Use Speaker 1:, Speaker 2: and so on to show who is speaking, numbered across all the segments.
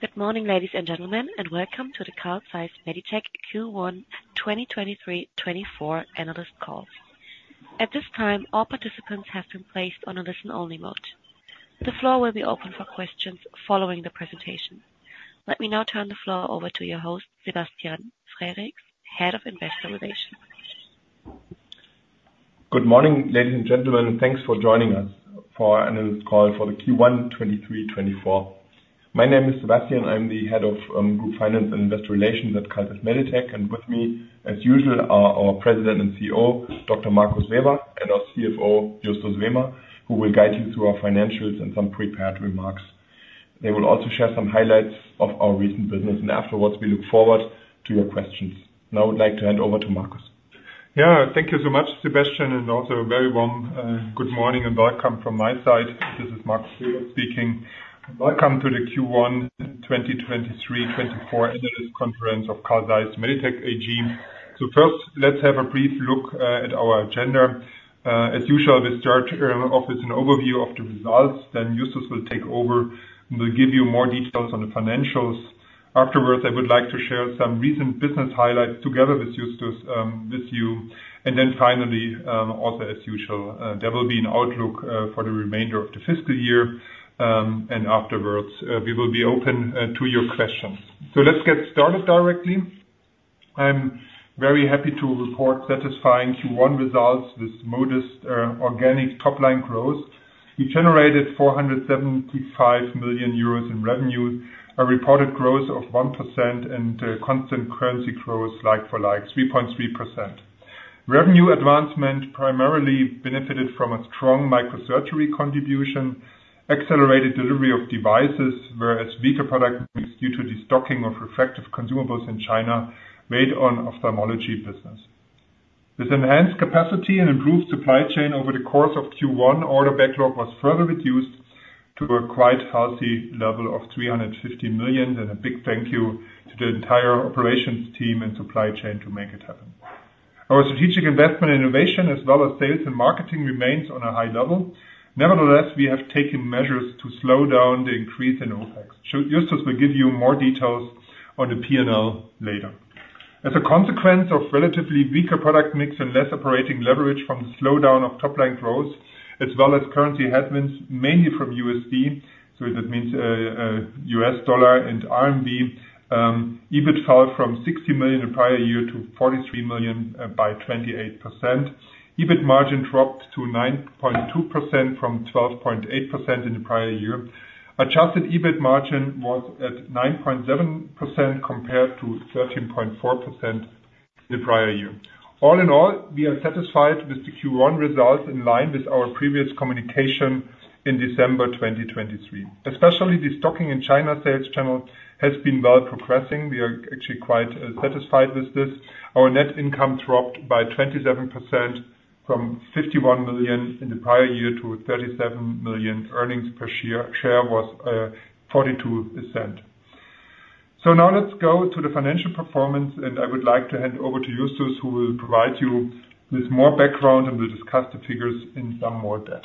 Speaker 1: Good morning, ladies and gentlemen, and welcome to the Carl Zeiss Meditec Q1 2023-24 analyst call. At this time, all participants have been placed on a listen-only mode. The floor will be open for questions following the presentation. Let me now turn the floor over to your host, Sebastian Frericks, Head of Investor Relations.
Speaker 2: Good morning, ladies and gentlemen, and thanks for joining us for an analyst call for the Q1 2023-24. My name is Sebastian. I'm the Head of Group Finance and Investor Relations at Carl Zeiss Meditec. And with me, as usual, are our President and CEO, Dr. Markus Weber, and our CFO, Justus Wehmer, who will guide you through our financials and some prepared remarks. They will also share some highlights of our recent business, and afterwards, we look forward to your questions. Now I would like to hand over to Markus.
Speaker 3: Yeah, thank you so much, Sebastian, and also a very warm, good morning and welcome from my side. This is Markus Weber speaking. Welcome to the Q1 2023-24 analyst conference of Carl Zeiss Meditec AG. So first, let's have a brief look at our agenda. As usual, we start off with an overview of the results. Then Justus will take over and will give you more details on the financials. Afterwards, I would like to share some recent business highlights together with Justus with you. And then finally, also as usual, there will be an outlook for the remainder of the fiscal year. And afterwards, we will be open to your questions. So let's get started directly. I'm very happy to report satisfying Q1 results with modest organic top-line growth. We generated 475 million euros in revenue, a reported growth of 1%, and constant currency growth like-for-like: 3.3%. Revenue advancement primarily benefited from a strong microsurgery contribution, accelerated delivery of devices, whereas weaker product mix due to the stocking of refractive consumables in China weighed on ophthalmology business. With enhanced capacity and improved supply chain over the course of Q1, order backlog was further reduced to a quite healthy level of 350 million, and a big thank you to the entire operations team and supply chain to make it happen. Our strategic investment in innovation, as well as sales and marketing, remains on a high level. Nevertheless, we have taken measures to slow down the increase in OpEx. Justus will give you more details on the P&L later. As a consequence of relatively weaker product mix and less operating leverage from the slowdown of top-line growth, as well as currency headwinds mainly from USD, so that means, US dollar and renminbi, EBIT fell from 60 million the prior year to 43 million by 28%. EBIT margin dropped to 9.2% from 12.8% in the prior year. Adjusted EBIT margin was at 9.7% compared to 13.4% in the prior year. All in all, we are satisfied with the Q1 results in line with our previous communication in December 2023. Especially the stocking in China sales channel has been well progressing. We are actually quite satisfied with this. Our net income dropped by 27% from 51 million in the prior year to 37 million. Earnings per share was 42%. Now let's go to the financial performance, and I would like to hand over to Justus, who will provide you with more background and will discuss the figures in some more depth.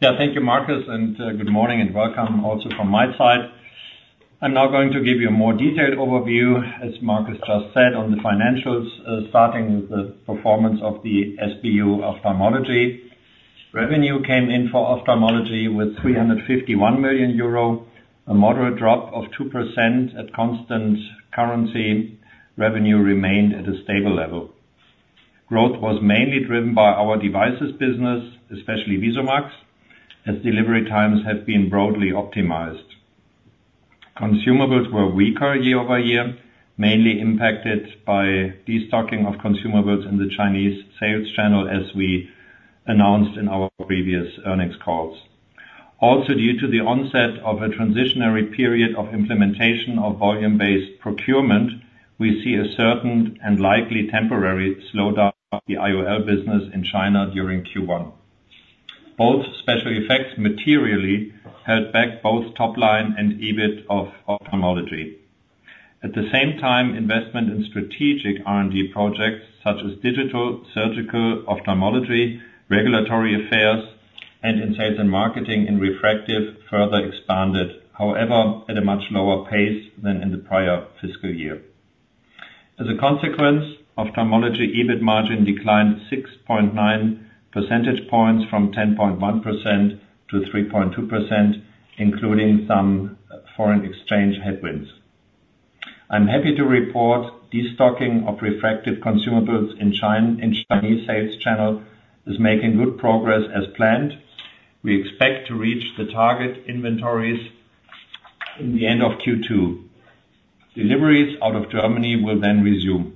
Speaker 4: Yeah, thank you, Markus, and good morning and welcome also from my side. I'm now going to give you a more detailed overview, as Markus just said, on the financials, starting with the performance of the SBU ophthalmology. Revenue came in for ophthalmology with 351 million euro, a moderate drop of 2%. At constant currency, revenue remained at a stable level. Growth was mainly driven by our devices business, especially VISUMAX, as delivery times have been broadly optimized. Consumables were weaker year-over-year, mainly impacted by destocking of consumables in the Chinese sales channel, as we announced in our previous earnings calls. Also due to the onset of a transitional period of implementation of volume-based procurement, we see a certain and likely temporary slowdown of the IOL business in China during Q1. Both special effects materially held back both top-line and EBIT of ophthalmology. At the same time, investment in strategic R&D projects such as digital, surgical, ophthalmology, regulatory affairs, and in sales and marketing in refractive further expanded, however at a much lower pace than in the prior fiscal year. As a consequence, ophthalmology EBIT margin declined 6.9 percentage points from 10.1%-3.2%, including some foreign exchange headwinds. I'm happy to report destocking of refractive consumables in China in Chinese sales channel is making good progress as planned. We expect to reach the target inventories in the end of Q2. Deliveries out of Germany will then resume.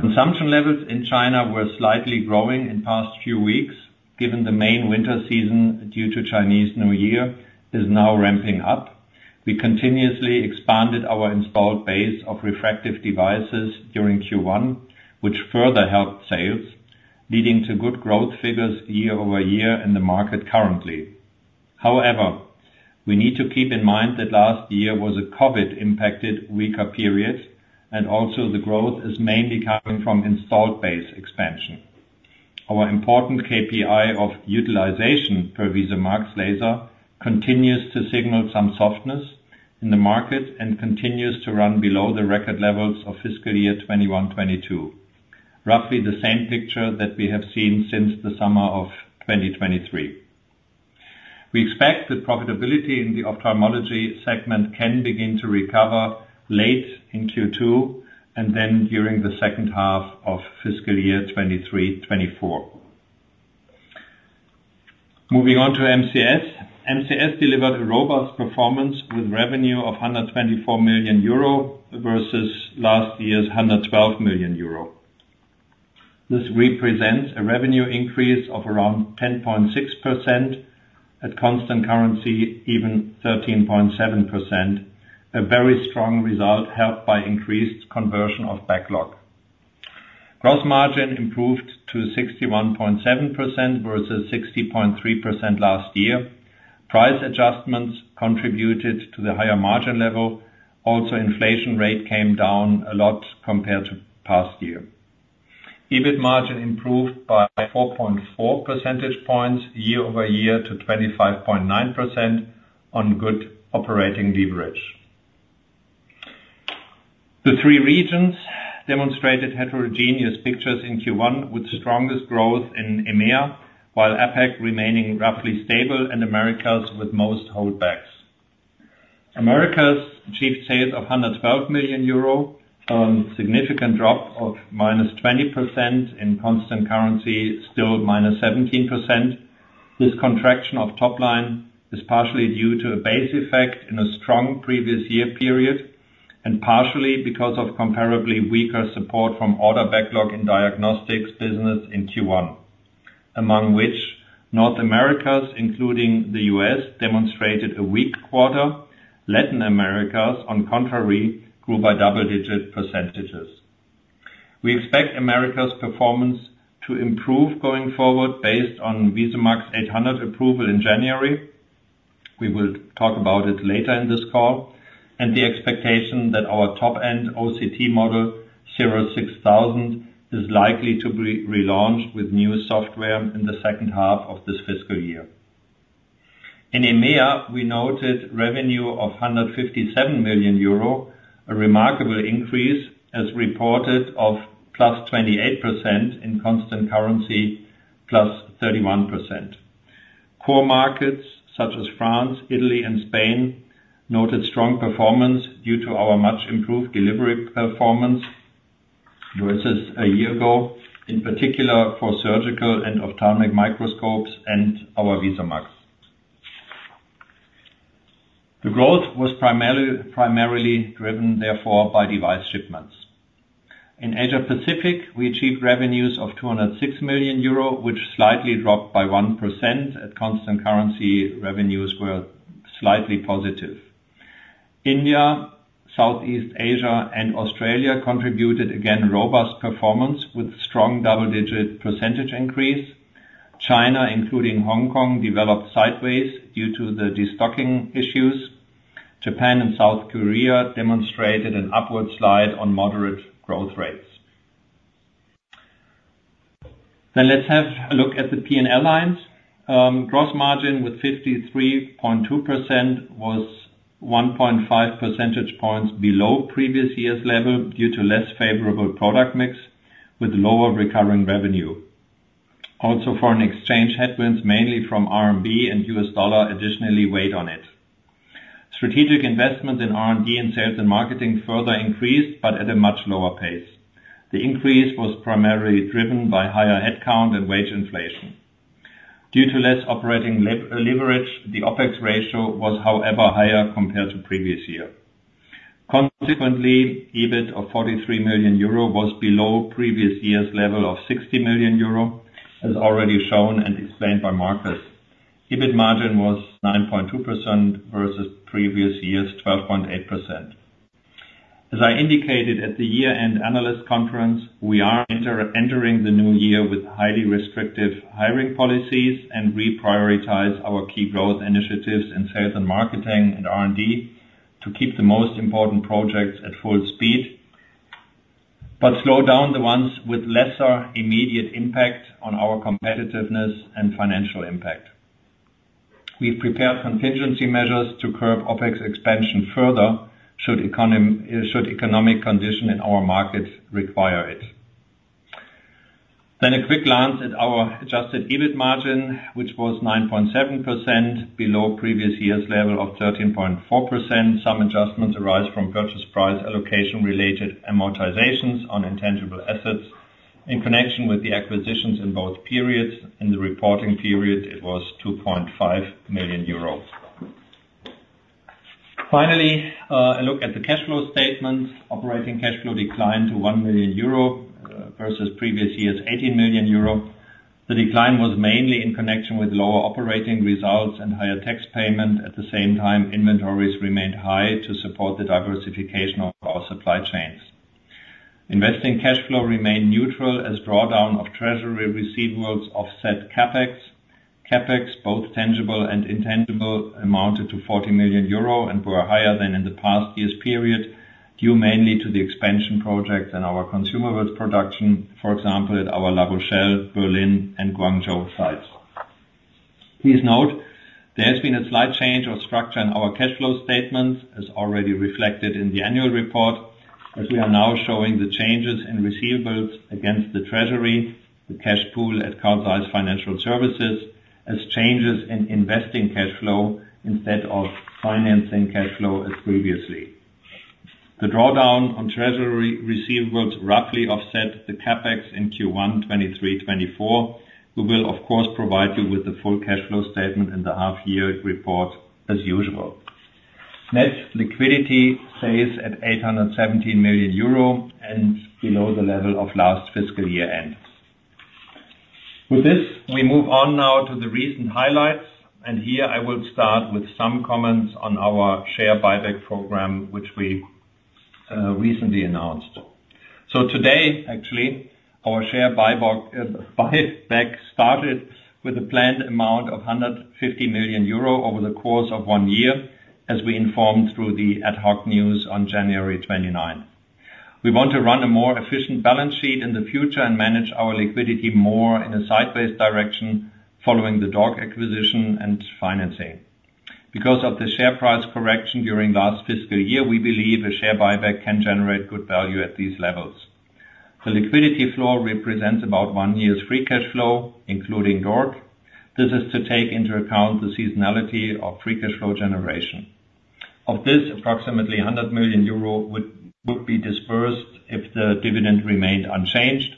Speaker 4: Consumption levels in China were slightly growing in past few weeks. Given the main winter season due to Chinese New Year is now ramping up, we continuously expanded our installed base of refractive devices during Q1, which further helped sales, leading to good growth figures year-over-year in the market currently. However, we need to keep in mind that last year was a COVID-impacted weaker period, and also the growth is mainly coming from installed base expansion. Our important KPI of utilization per VISUMAX laser continues to signal some softness in the market and continues to run below the record levels of fiscal year 2021/22, roughly the same picture that we have seen since the summer of 2023. We expect that profitability in the ophthalmology segment can begin to recover late in Q2 and then during the second half of fiscal year 2023/24. Moving on to MCS. MCS delivered a robust performance with revenue of 124 million euro versus last year's 112 million euro. This represents a revenue increase of around 10.6%. At constant currency, even 13.7%, a very strong result helped by increased conversion of backlog. Gross margin improved to 61.7% versus 60.3% last year. Price adjustments contributed to the higher margin level. Also, inflation rate came down a lot compared to past year. EBIT margin improved by 4.4 percentage points year-over-year to 25.9% on good operating leverage. The three regions demonstrated heterogeneous pictures in Q1, with strongest growth in EMEA, while APEC remaining roughly stable and Americas with most holdbacks. Americas achieved sales of 112 million euro, significant drop of -20% in constant currency, still -17%. This contraction of top-line is partially due to a base effect in a strong previous year period and partially because of comparably weaker support from order backlog in diagnostics business in Q1, among which North America, including the US, demonstrated a weak quarter. Latin America, on the contrary, grew by double-digit percentages. We expect Americas performance to improve going forward based on VISUMAX 800 approval in January. We will talk about it later in this call and the expectation that our top-end OCT model, 6000, is likely to be relaunched with new software in the second half of this fiscal year. In EMEA, we noted revenue of 157 million euro, a remarkable increase, as reported, of +28% in constant currency, +31%. Core markets such as France, Italy, and Spain noted strong performance due to our much improved delivery performance versus a year ago, in particular for surgical and ophthalmic microscopes and our VISUMAX. The growth was primarily driven, therefore, by device shipments. In Asia Pacific, we achieved revenues of 206 million euro, which slightly dropped by 1%. At constant currency, revenues were slightly positive. India, Southeast Asia, and Australia contributed again robust performance with strong double-digit % increase. China, including Hong Kong, developed sideways due to the destocking issues. Japan and South Korea demonstrated an upward slide on moderate growth rates. Let's have a look at the P&L lines. Gross margin with 53.2% was 1.5 percentage points below previous year's level due to less favorable product mix with lower recurring revenue. Also, foreign exchange headwinds, mainly from RMB and U.S. dollar, additionally weighed on it. Strategic investments in R&D and sales and marketing further increased but at a much lower pace. The increase was primarily driven by higher headcount and wage inflation. Due to less operating leverage, the OPEX ratio was, however, higher compared to previous year. Consequently, EBIT of 43 million euro was below previous year's level of 60 million euro, as already shown and explained by Markus. EBIT margin was 9.2% versus previous year's 12.8%. As I indicated at the year-end analyst conference, we are entering the new year with highly restrictive hiring policies and reprioritize our key growth initiatives in sales and marketing and R&D to keep the most important projects at full speed but slow down the ones with lesser immediate impact on our competitiveness and financial impact. We've prepared contingency measures to curb OPEX expansion further should economic condition in our markets require it. A quick glance at our adjusted EBIT margin, which was 9.7% below previous year's level of 13.4%. Some adjustments arise from purchase price allocation-related amortizations on intangible assets in connection with the acquisitions in both periods. In the reporting period, it was 2.5 million euros. Finally, a look at the cash flow statements. Operating cash flow declined to 1 million euro versus previous year's 18 million euro. The decline was mainly in connection with lower operating results and higher tax payment. At the same time, inventories remained high to support the diversification of our supply chains. Investing cash flow remained neutral as drawdown of treasury receivables offset CapEx. CapEx, both tangible and intangible, amounted to 40 million euro and were higher than in the past year's period due mainly to the expansion projects and our consumables production, for example, at our La Rochelle, Berlin, and Guangzhou sites. Please note there has been a slight change of structure in our cash flow statements, as already reflected in the annual report, as we are now showing the changes in receivables against the treasury, the cash pool at Carl Zeiss Financial Services, as changes in investing cash flow instead of financing cash flow as previously. The drawdown on treasury receivables roughly offset the CapEx in Q1/23/24. We will, of course, provide you with the full cash flow statement in the half-year report as usual. Net liquidity stays at 817 million euro and below the level of last fiscal year end. With this, we move on now to the recent highlights. Here, I will start with some comments on our share buyback program, which we, recently announced. Today, actually, our share buyback started with a planned amount of 150 million euro over the course of one year, as we informed through the ad hoc news on January 29th. We want to run a more efficient balance sheet in the future and manage our liquidity more in a sideways direction following the DORC acquisition and financing. Because of the share price correction during last fiscal year, we believe a share buyback can generate good value at these levels. The liquidity floor represents about one year's free cash flow, including DORC. This is to take into account the seasonality of free cash flow generation. Of this, approximately 100 million euro would be dispersed if the dividend remained unchanged.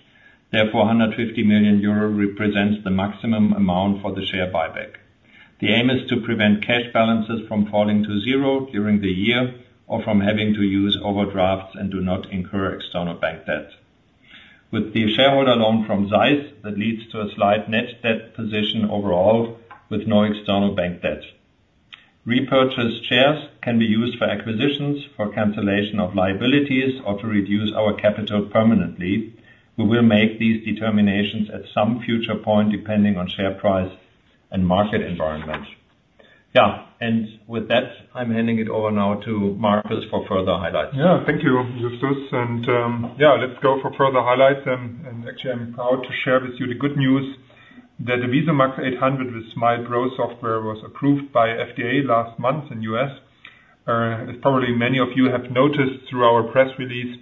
Speaker 4: Therefore, 150 million euro represents the maximum amount for the share buyback. The aim is to prevent cash balances from falling to zero during the year or from having to use overdrafts and do not incur external bank debt. With the shareholder loan from Zeiss, that leads to a slight net debt position overall with no external bank debt. Repurchased shares can be used for acquisitions, for cancellation of liabilities, or to reduce our capital permanently. We will make these determinations at some future point depending on share price and market environment. Yeah. And with that, I'm handing it over now to Markus for further highlights. Yeah. Thank you, Justus.
Speaker 3: And, yeah, let's go for further highlights. And actually, I'm proud to share with you the good news that the VISUMAX 800 with SMILE Pro software was approved by FDA last month in the U.S. As probably many of you have noticed through our press release,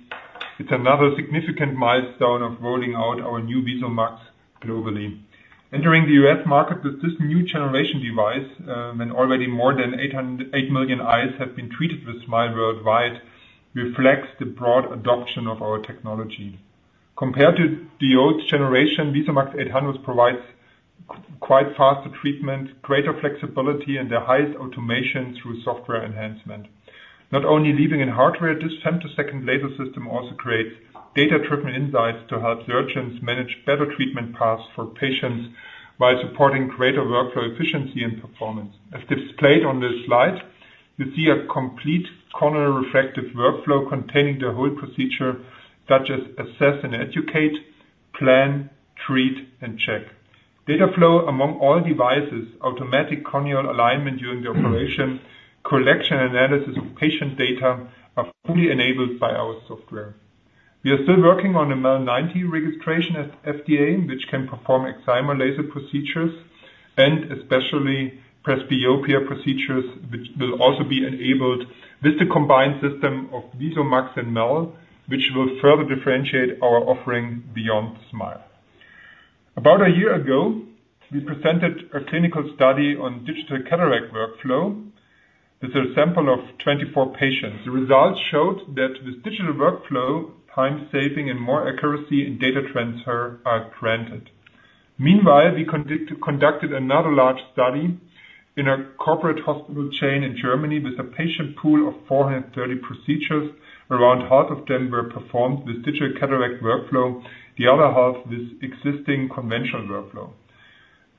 Speaker 3: it's another significant milestone of rolling out our new VISUMAX globally. Entering the U.S. market with this new generation device, when already more than 8 million eyes have been treated with SMILE worldwide, reflects the broad adoption of our technology. Compared to the old generation, VISUMAX 800 provides quite faster treatment, greater flexibility, and the highest automation through software enhancement. Not only leaving in hardware, this femtosecond laser system also creates data-driven insights to help surgeons manage better treatment paths for patients while supporting greater workflow efficiency and performance. As displayed on this slide, you see a complete corneal refractive workflow containing the whole procedure, such as assess and educate, plan, treat, and check. Data flow among all devices, automatic corneal alignment during the operation, collection, and analysis of patient data are fully enabled by our software. We are still working on the MEL 90 registration at FDA, which can perform excimer laser procedures and especially presbyopia procedures, which will also be enabled with the combined system of VISUMAX and MEL, which will further differentiate our offering beyond SMILE. About a year ago, we presented a clinical study on digital cataract workflow with a sample of 24 patients. The results showed that with digital workflow, time saving and more accuracy in data transfer are granted. Meanwhile, we conducted another large study in a corporate hospital chain in Germany with a patient pool of 430 procedures. Around half of them were performed with digital cataract workflow, the other half with existing conventional workflow.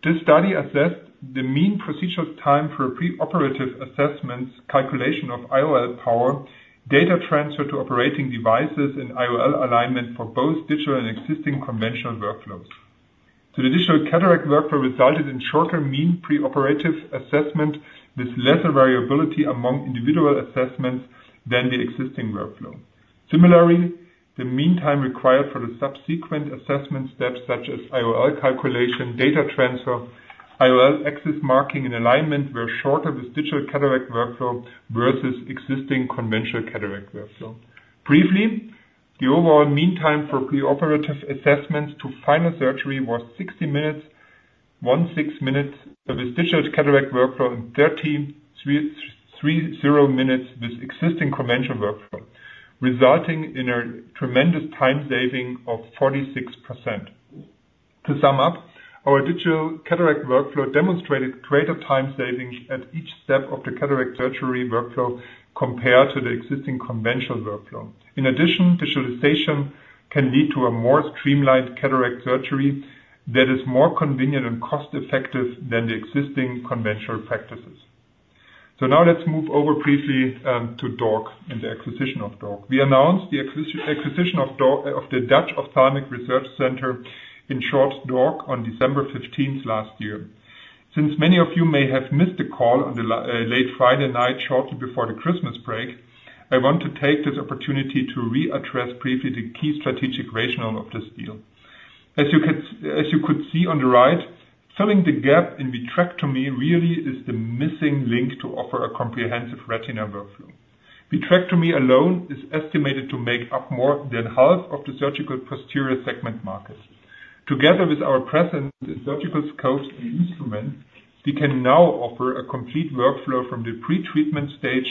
Speaker 3: This study assessed the mean procedures time for a preoperative assessment's calculation of IOL power, data transfer to operating devices, and IOL alignment for both digital and existing conventional workflows. The digital cataract workflow resulted in shorter mean preoperative assessment with lesser variability among individual assessments than the existing workflow. Similarly, the mean time required for the subsequent assessment steps, such as IOL calculation, data transfer, IOL axis marking, and alignment, were shorter with digital cataract workflow versus existing conventional cataract workflow. Briefly, the overall mean time for preoperative assessments to final surgery was 60 minutes, 16 minutes with digital cataract workflow, and 30 minutes with existing conventional workflow, resulting in a tremendous time saving of 46%. To sum up, our digital cataract workflow demonstrated greater time savings at each step of the cataract surgery workflow compared to the existing conventional workflow. In addition, digitalization can lead to a more streamlined cataract surgery that is more convenient and cost-effective than the existing conventional practices. So now let's move over briefly to DORC and the acquisition of DORC. We announced the acquisition of DORC of the Dutch Ophthalmic Research Center, in short, DORC, on December 15th last year. Since many of you may have missed the call on the late Friday night shortly before the Christmas break, I want to take this opportunity to readdress briefly the key strategic rationale of this deal. As you could see on the right, filling the gap in vitrectomy really is the missing link to offer a comprehensive retina workflow. Vitrectomy alone is estimated to make up more than half of the surgical posterior segment market. Together with our present surgical scopes and instruments, we can now offer a complete workflow from the pretreatment stage,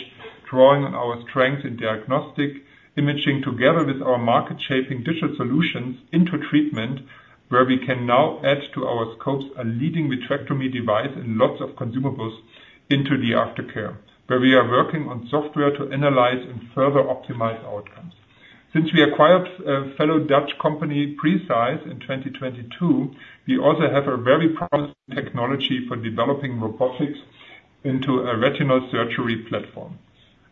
Speaker 3: drawing on our strengths in diagnostic imaging together with our market-shaping digital solutions into treatment, where we can now add to our scopes a leading vitrectomy device and lots of consumables into the aftercare, where we are working on software to analyze and further optimize outcomes. Since we acquired a fellow Dutch company, Preceyes, in 2022, we also have a very promising technology for developing robotics into a retinal surgery platform.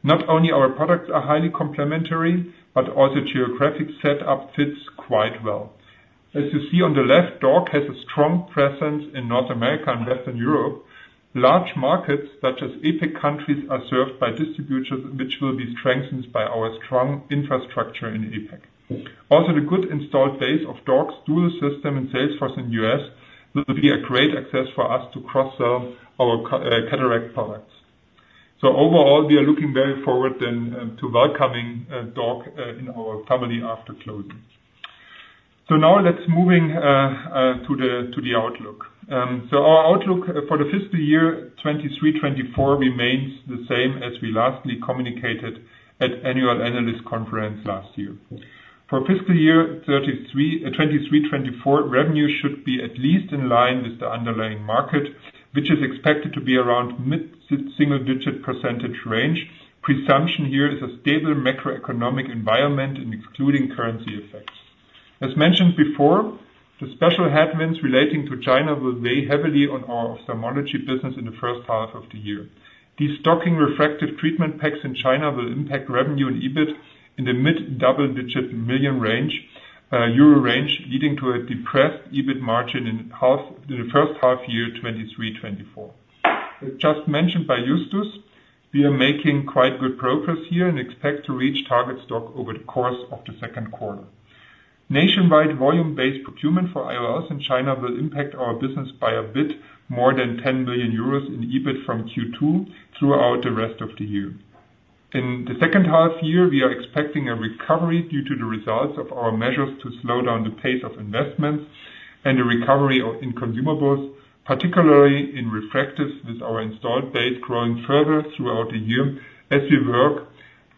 Speaker 3: Not only are our products highly complementary, but also geographic setup fits quite well. As you see on the left, DORC has a strong presence in North America and Western Europe. Large markets such as APEC countries are served by distributors, which will be strengthened by our strong infrastructure in APEC. Also, the good installed base of DORC's dual system in Salesforce in the U.S. will be a great access for us to cross-sell our cataract products. Overall, we are looking very forward then to welcoming DORC in our family after closing. Now let's move to the outlook. Our outlook for the fiscal year 2023/2024 remains the same as we lastly communicated at annual analyst conference last year. For fiscal year 2023/2024, revenue should be at least in line with the underlying market, which is expected to be around mid-single-digit % range. Presumption here is a stable macroeconomic environment and excluding currency effects. As mentioned before, the special headwinds relating to China will weigh heavily on our ophthalmology business in the first half of the year. The stocking refractive treatment packs in China will impact revenue and EBIT in the mid-double-digit million EUR range, leading to a depressed EBIT margin in the first half year 2023/24. As just mentioned by Justus, we are making quite good progress here and expect to reach target stock over the course of the second quarter. Nationwide volume-based procurement for IOLs in China will impact our business by a bit more than 10 million euros in EBIT from Q2 throughout the rest of the year. In the second half year, we are expecting a recovery due to the results of our measures to slow down the pace of investments and the recovery in consumables, particularly in refractive with our installed base growing further throughout the year as we work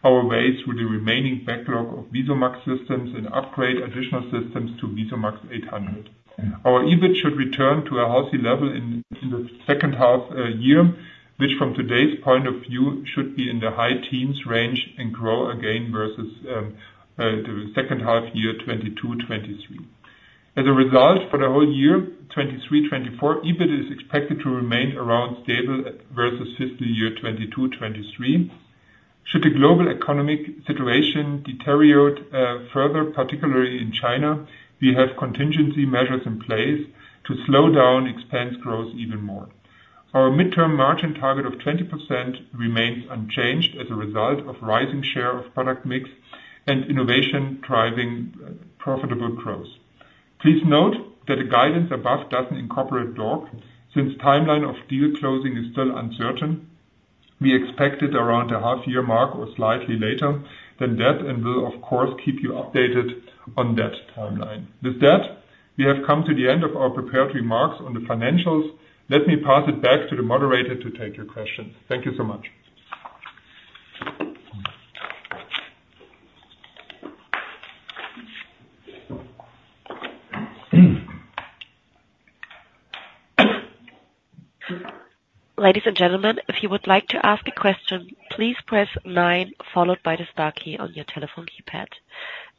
Speaker 3: our way through the remaining backlog of VISUMAX systems and upgrade additional systems to VISUMAX 800. Our EBIT should return to a healthy level in the second half year, which from today's point of view should be in the high teens range and grow again versus the second half year 2022/23. As a result, for the whole year 2023/24, EBIT is expected to remain around stable versus fiscal year 2022/23. Should the global economic situation deteriorate further, particularly in China, we have contingency measures in place to slow down expense growth even more. Our mid-term margin target of 20% remains unchanged as a result of rising share of product mix and innovation driving profitable growth. Please note that the guidance above doesn't incorporate DORC. Since the timeline of deal closing is still uncertain, we expect it around the half-year mark or slightly later than that and will, of course, keep you updated on that timeline. With that, we have come to the end of our preparatory remarks on the financials. Let me pass it back to the moderator to take your questions. Thank you so much.
Speaker 1: Ladies and gentlemen, if you would like to ask a question, please press nine followed by the star key on your telephone keypad.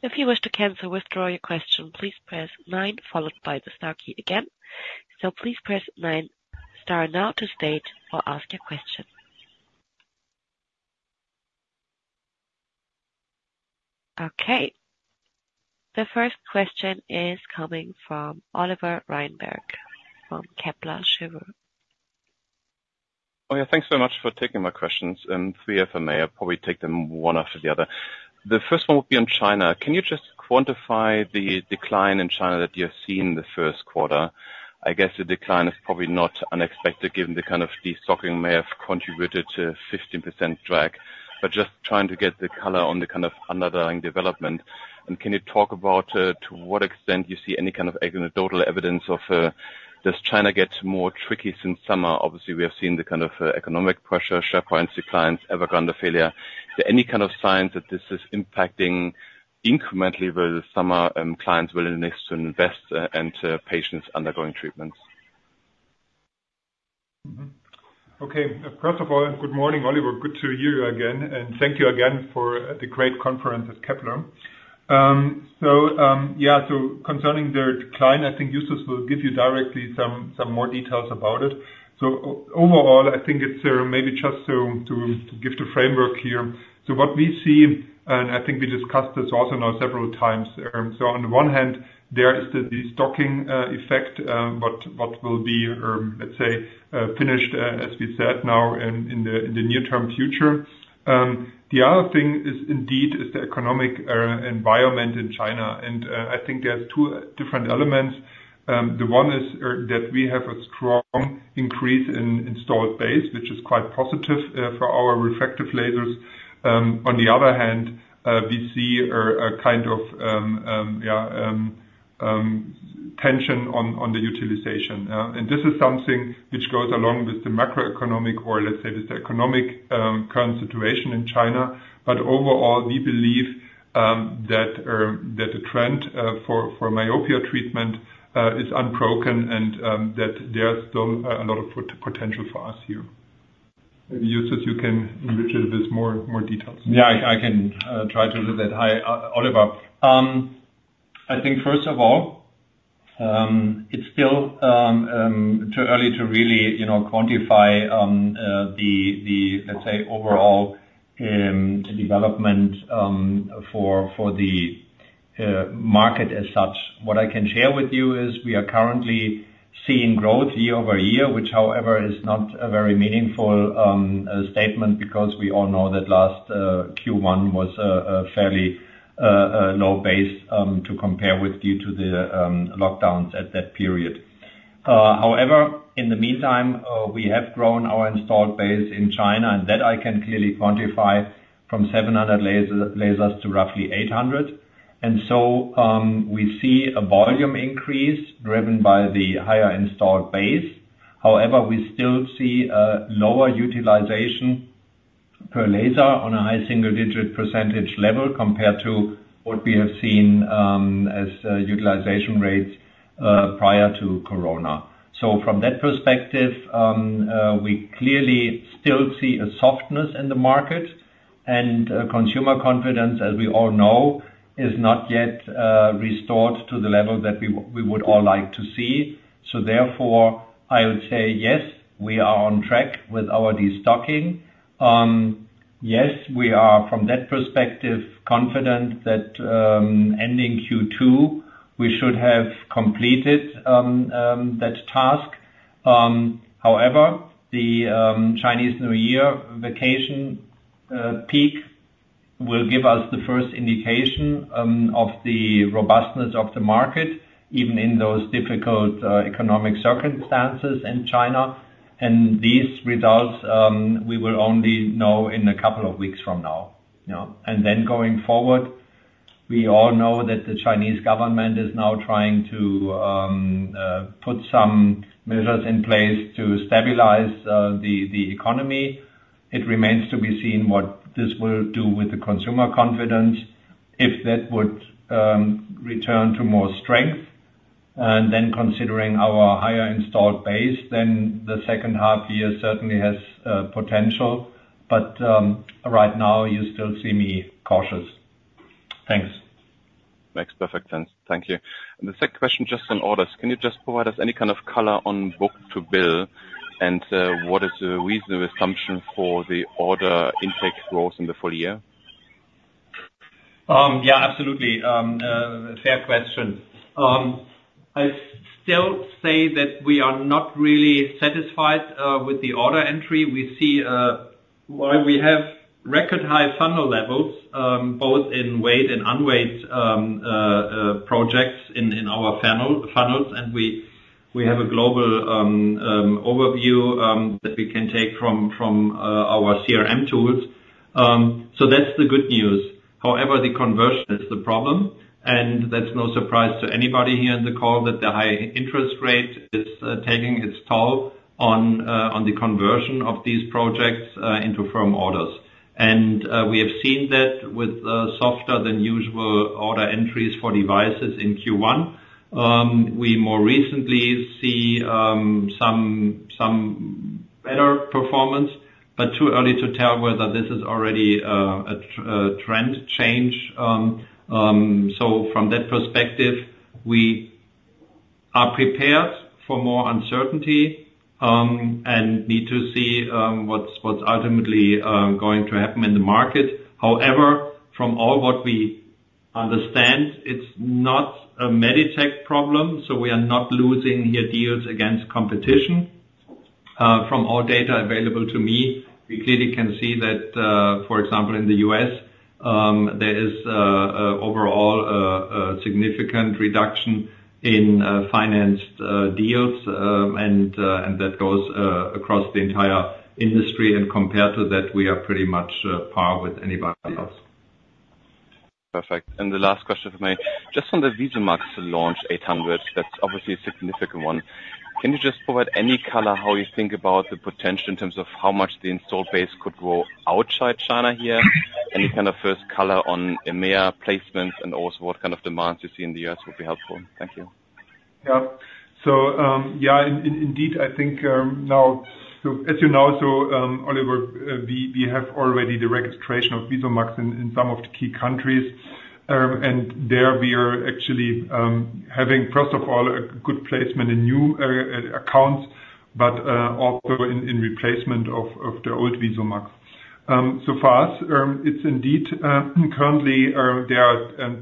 Speaker 1: If you wish to cancel or withdraw your question, please press nine followed by the star key again. So please press nine star now to state or ask your question. Okay. The first question is coming from Oliver Reinberg from Kepler Cheuvreux.
Speaker 5: Oh, yeah. Thanks so much for taking my questions. Three of them may. I'll probably take them one after the other. The first one would be on China. Can you just quantify the decline in China that you have seen in the first quarter? I guess the decline is probably not unexpected given the destocking may have contributed to a 15% drag, but just trying to get the color on the kind of underlying development. Can you talk about to what extent you see any kind of anecdotal evidence of China getting more tricky since summer? Obviously, we have seen the kind of economic pressure, share price declines, Evergrande failure. Is there any kind of signs that this is impacting incrementally whether the customers will need to invest and patients undergoing treatments?
Speaker 3: Okay. First of all, good morning, Oliver. Good to hear you again. Thank you again for the great conference at Kepler. So yeah. So concerning the decline, I think Justus will give you directly some more details about it. So overall, I think it's maybe just to give the framework here. So what we see, and I think we discussed this also now several times, so on the one hand, there is the stocking effect, what will be, let's say, finished, as we said, now in the near-term future. The other thing is indeed the economic environment in China. And I think there's two different elements. The one is that we have a strong increase in installed base, which is quite positive for our refractive lasers. On the other hand, we see a kind of, yeah, tension on the utilization. And this is something which goes along with the macroeconomic or, let's say, with the economic current situation in China. But overall, we believe that the trend for myopia treatment is unbroken and that there's still a lot of potential for us here. Maybe, Justus, you can enrich it with more details.
Speaker 4: Yeah. I can try to do that. Hi, Oliver. I think, first of all, it's still too early to really quantify the, let's say, overall development for the market as such. What I can share with you is we are currently seeing growth year-over-year, which, however, is not a very meaningful statement because we all know that last Q1 was fairly low base to compare with due to the lockdowns at that period. However, in the meantime, we have grown our installed base in China, and that I can clearly quantify from 700 lasers to roughly 800. And so we see a volume increase driven by the higher installed base. However, we still see lower utilization per laser on a high single-digit percentage level compared to what we have seen as utilization rates prior to corona. So from that perspective, we clearly still see a softness in the market. Consumer confidence, as we all know, is not yet restored to the level that we would all like to see. So therefore, I would say, yes, we are on track with our destocking. Yes, we are, from that perspective, confident that ending Q2, we should have completed that task. However, the Chinese New Year vacation peak will give us the first indication of the robustness of the market even in those difficult economic circumstances in China. These results, we will only know in a couple of weeks from now. Then going forward, we all know that the Chinese government is now trying to put some measures in place to stabilize the economy. It remains to be seen what this will do with the consumer confidence if that would return to more strength. Then considering our higher installed base, then the second half year certainly has potential. But right now, you still see me cautious. Thanks.
Speaker 5: Makes perfect sense. Thank you. And the second question, just in order, is can you just provide us any kind of color on book to bill and what is the reasonable assumption for the order intake growth in the full year?
Speaker 3: Yeah. Absolutely. Fair question. I still say that we are not really satisfied with the order entry. We see we have record high funnel levels both in weighted and unweighted projects in our funnels. And we have a global overview that we can take from our CRM tools. So that's the good news. However, the conversion is the problem. And that's no surprise to anybody here on the call that the high interest rate is taking its toll on the conversion of these projects into firm orders. We have seen that with softer than usual order entries for devices in Q1. We more recently see some better performance, but too early to tell whether this is already a trend change. From that perspective, we are prepared for more uncertainty and need to see what's ultimately going to happen in the market. However, from all what we understand, it's not a Meditec problem. So we are not losing here deals against competition. From all data available to me, we clearly can see that, for example, in the U.S., there is overall a significant reduction in financed deals. That goes across the entire industry. Compared to that, we are pretty much par with anybody else. Perfect. The last question for me. Just on the VISUMAX 800 launch, that's obviously a significant one. Can you just provide any color how you think about the potential in terms of how much the installed base could grow outside China here? Any kind of first color on EMEA placements and also what kind of demands you see in the US would be helpful. Thank you.
Speaker 6: Yeah. So yeah. Indeed, I think now as you know, so, Oliver, we have already the registration of VISUMAX in some of the key countries. And there, we are actually having, first of all, a good placement in new accounts, but also in replacement of the old VISUMAX. So far as it's indeed currently, there are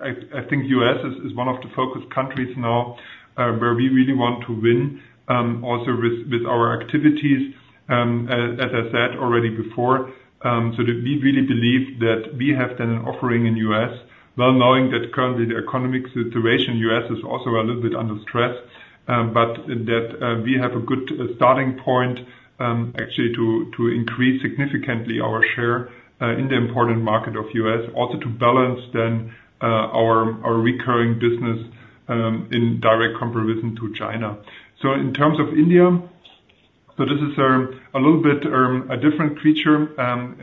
Speaker 6: I think US is one of the focus countries now where we really want to win also with our activities, as I said already before. So we really believe that we have then an offering in the U.S., well knowing that currently the economic situation in the U.S. is also a little bit under stress, but that we have a good starting point actually to increase significantly our share in the important market of the U.S., also to balance then our recurring business in direct comparison to China. So in terms of India, so this is a little bit a different creature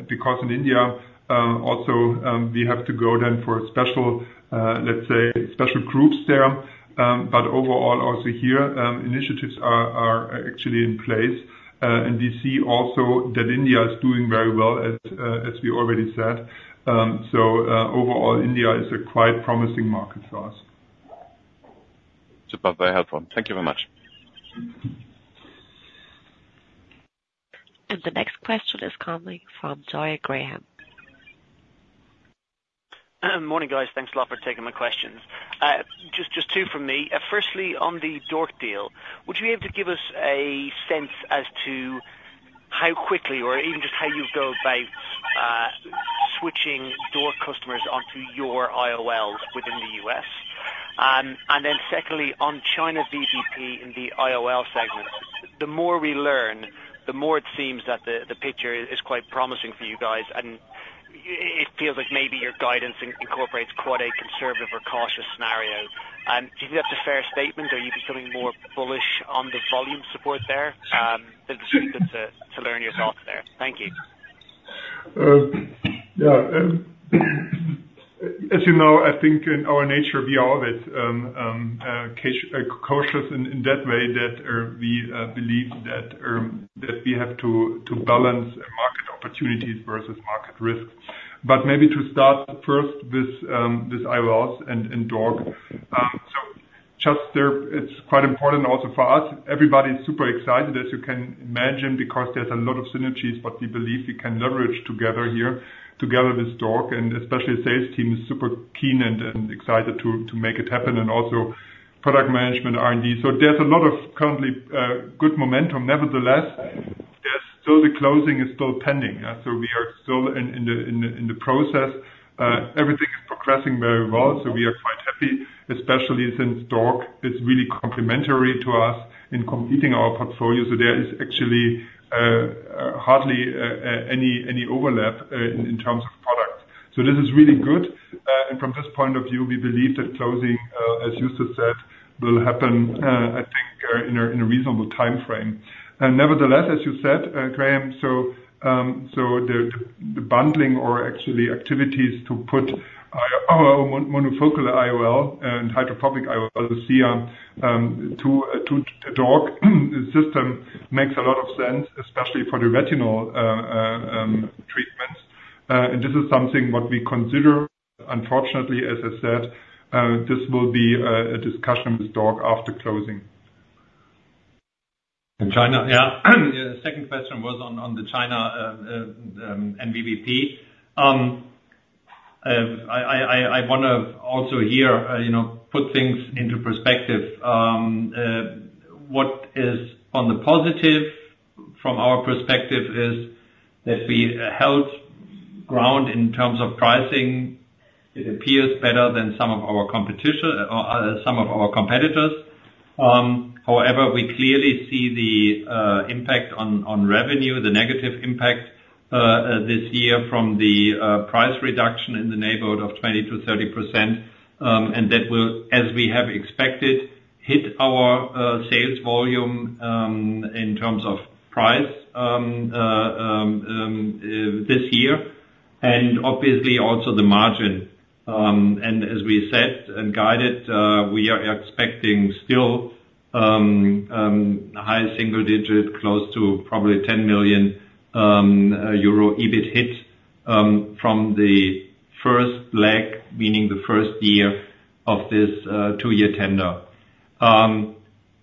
Speaker 6: because in India, also, we have to go then for special, let's say, special groups there. But overall, also here, initiatives are actually in place. And we see also that India is doing very well, as we already said. So overall, India is a quite promising market for us.
Speaker 5: Super. Very helpful. Thank you very much.
Speaker 1: And the next question is coming from Joy Doyle.
Speaker 7: Morning, guys. Thanks a lot for taking my questions. Just two from me. Firstly, on the DORC deal, would you be able to give us a sense as to how quickly or even just how you go about switching DORC customers onto your IOLs within the U.S.? And then secondly, on China VBP in the IOL segment, the more we learn, the more it seems that the picture is quite promising for you guys. And it feels like maybe your guidance incorporates quite a conservative or cautious scenario. Do you think that's a fair statement, or are you becoming more bullish on the volume support there? It's good to learn your thoughts there. Thank you.
Speaker 3: Yeah. As you know, I think in our nature, we are a bit cautious in that way that we believe that we have to balance market opportunities versus market risks. But maybe to start first with IOLs and DORC. So just there, it's quite important also for us. Everybody is super excited, as you can imagine, because there's a lot of synergies what we believe we can leverage together here together with DORC. And especially the sales team is super keen and excited to make it happen and also product management, R&D. So there's a lot of currently good momentum. Nevertheless, still, the closing is still pending. So we are still in the process. Everything is progressing very well. So we are quite happy, especially since DORC is really complementary to us in completing our portfolio. So there is actually hardly any overlap in terms of product. So this is really good. And from this point of view, we believe that closing, as Justus said, will happen, I think, in a reasonable time frame. Nevertheless, as you said, Graham, so the bundling or actually activities to put our monofocal IOL and hydrophobic IOL, the IOL, to the DORC system makes a lot of sense, especially for the retinal treatments. This is something what we consider. Unfortunately, as I said, this will be a discussion with DORC after closing.
Speaker 4: China, yeah. The second question was on the China NVBP. I want to also here put things into perspective. What is on the positive from our perspective is that we held ground in terms of pricing. It appears better than some of our competitors or some of our competitors. However, we clearly see the impact on revenue, the negative impact this year from the price reduction in the neighborhood of 20%-30%. That will, as we have expected, hit our sales volume in terms of price this year and obviously also the margin. As we said and guided, we are expecting still a high single digit, close to probably 10 million euro EBIT hit from the first leg, meaning the first year of this two-year tender.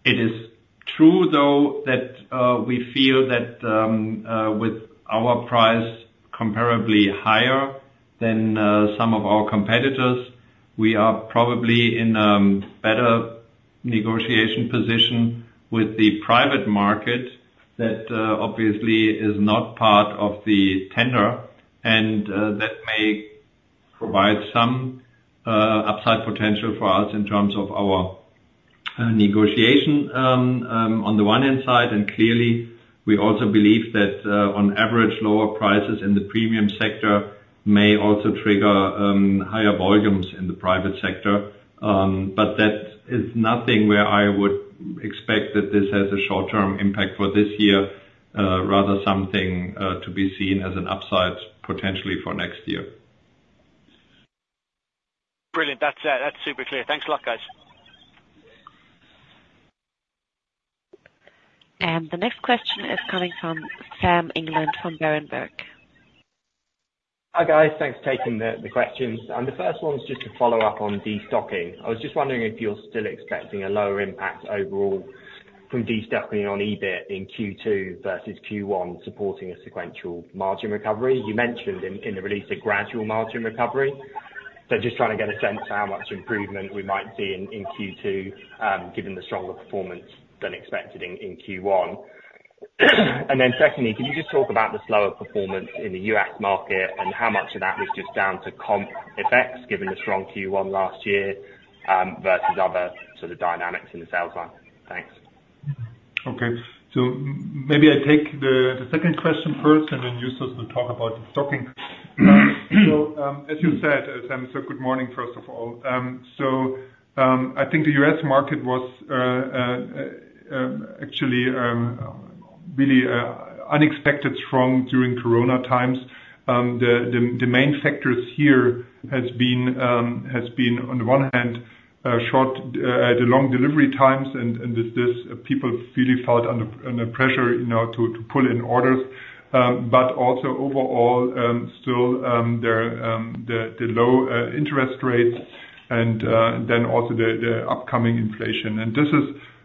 Speaker 4: It is true, though, that we feel that with our price comparably higher than some of our competitors, we are probably in a better negotiation position with the private market that obviously is not part of the tender. That may provide some upside potential for us in terms of our negotiation on the one hand side. Clearly, we also believe that on average, lower prices in the premium sector may also trigger higher volumes in the private sector. But that is nothing where I would expect that this has a short-term impact for this year, rather something to be seen as an upside potentially for next year.
Speaker 7: Brilliant. That's super clear. Thanks a lot, guys.
Speaker 1: And the next question is coming from Sam England from Berenberg.
Speaker 8: Hi, guys. Thanks for taking the questions. And the first one's just to follow up on destocking. I was just wondering if you're still expecting a lower impact overall from destocking on EBIT in Q2 versus Q1 supporting a sequential margin recovery. You mentioned in the release a gradual margin recovery. So just trying to get a sense of how much improvement we might see in Q2 given the stronger performance than expected in Q1. And then secondly, could you just talk about the slower performance in the U.S. market and how much of that was just down to comp effects given the strong Q1 last year versus other sort of dynamics in the sales line? Thanks.
Speaker 3: Okay. So maybe I take the second question first and then Justus will talk about the stocking. So as you said, Sam, so good morning, first of all. So I think the U.S. market was actually really unexpected strong during corona times. The main factors here has been, on the one hand, the long delivery times. And people really felt under pressure to pull in orders. But also overall, still, there are the low interest rates and then also the upcoming inflation.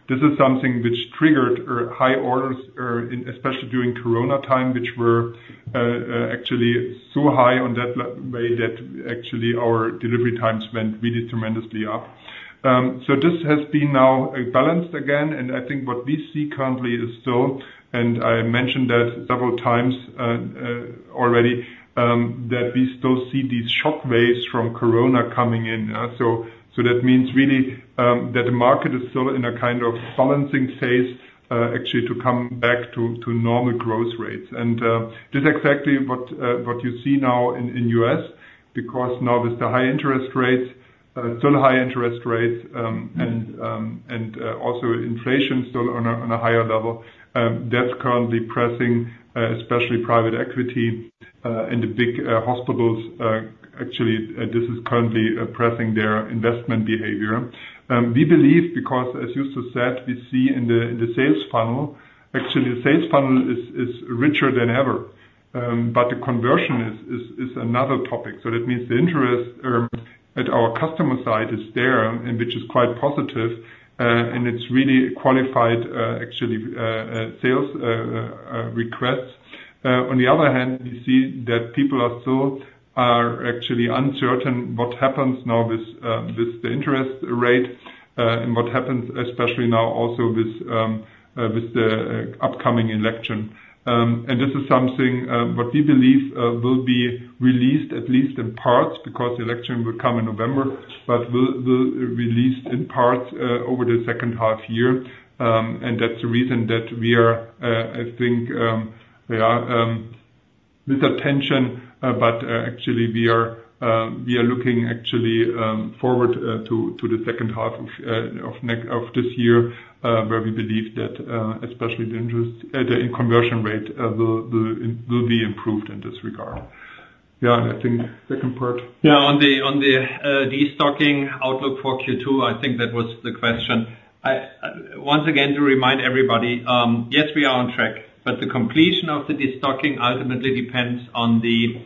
Speaker 3: This is something which triggered high orders, especially during corona time, which were actually so high on that way that actually our delivery times went really tremendously up. So this has been now balanced again. And I think what we see currently is still and I mentioned that several times already that we still see these shock waves from corona coming in. So that means really that the market is still in a kind of balancing phase actually to come back to normal growth rates. And this is exactly what you see now in the U.S. because now with the high interest rates, still high interest rates, and also inflation still on a higher level, that's currently pressing, especially private equity and the big hospitals. Actually, this is currently pressing their investment behavior. We believe, because, as Justus said, we see in the sales funnel actually the sales funnel is richer than ever. But the conversion is another topic. So that means the interest at our customer side is there, which is quite positive. And it's really qualified actually sales requests. On the other hand, we see that people are still actually uncertain what happens now with the interest rate and what happens especially now also with the upcoming election. And this is something what we believe will be released at least in parts because the election will come in November but will be released in parts over the second half year. And that's the reason that we are, I think, yeah, with attention. But actually, we are looking actually forward to the second half of this year where we believe that especially the conversion rate will be improved in this regard. Yeah. And I think second part.
Speaker 4: Yeah. On the destocking outlook for Q2, I think that was the question. Once again, to remind everybody, yes, we are on track. But the completion of the destocking ultimately depends on the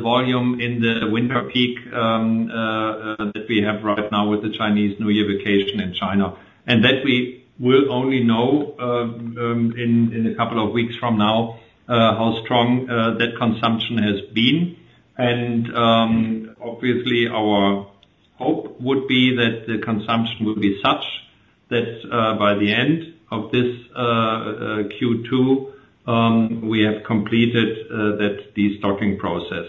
Speaker 4: volume in the winter peak that we have right now with the Chinese New Year vacation in China. And that we will only know in a couple of weeks from now how strong that consumption has been. And obviously, our hope would be that the consumption would be such that by the end of this Q2, we have completed that destocking process.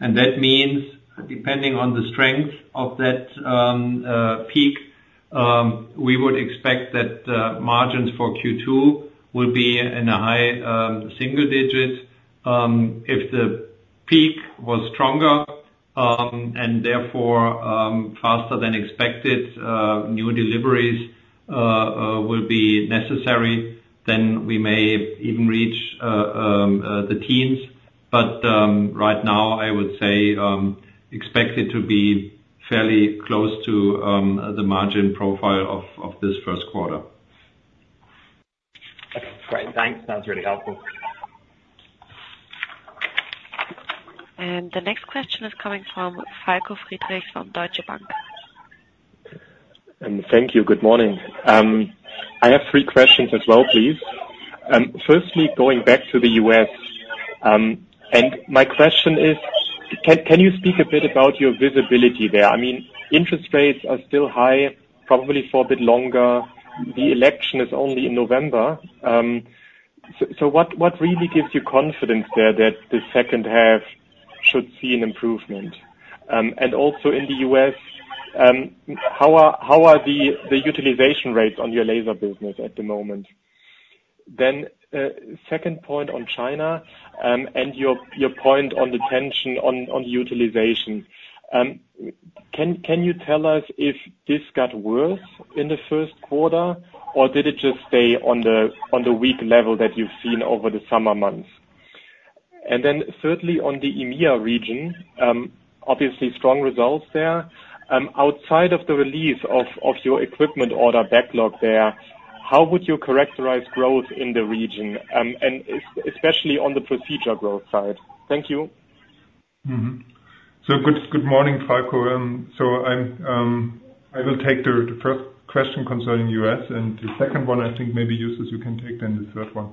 Speaker 4: And that means depending on the strength of that peak, we would expect that margins for Q2 will be in a high single digit. If the peak was stronger and therefore faster than expected, new deliveries will be necessary, then we may even reach the teens. But right now, I would say expect it to be fairly close to the margin profile of this first quarter.
Speaker 8: Okay. Great. Thanks. That was really helpful.
Speaker 1: And the next question is coming from Falko Friedrichs from Deutsche Bank.
Speaker 9: And thank you. Good morning. I have three questions as well, please. Firstly, going back to the U.S. And my question is, can you speak a bit about your visibility there? I mean, interest rates are still high, probably for a bit longer. The election is only in November. So what really gives you confidence there that the second half should see an improvement? And also in the U.S., how are the utilization rates on your laser business at the moment? Then second point on China and your point on the tension on the utilization. Can you tell us if this got worse in the first quarter, or did it just stay on the weak level that you've seen over the summer months? And then thirdly, on the EMEA region, obviously, strong results there. Outside of the release of your equipment order backlog there, how would you characterize growth in the region, especially on the procedure growth side? Thank you.
Speaker 3: So good morning, Falko. So I will take the first question concerning U.S. And the second one, I think maybe Justus, you can take then the third one.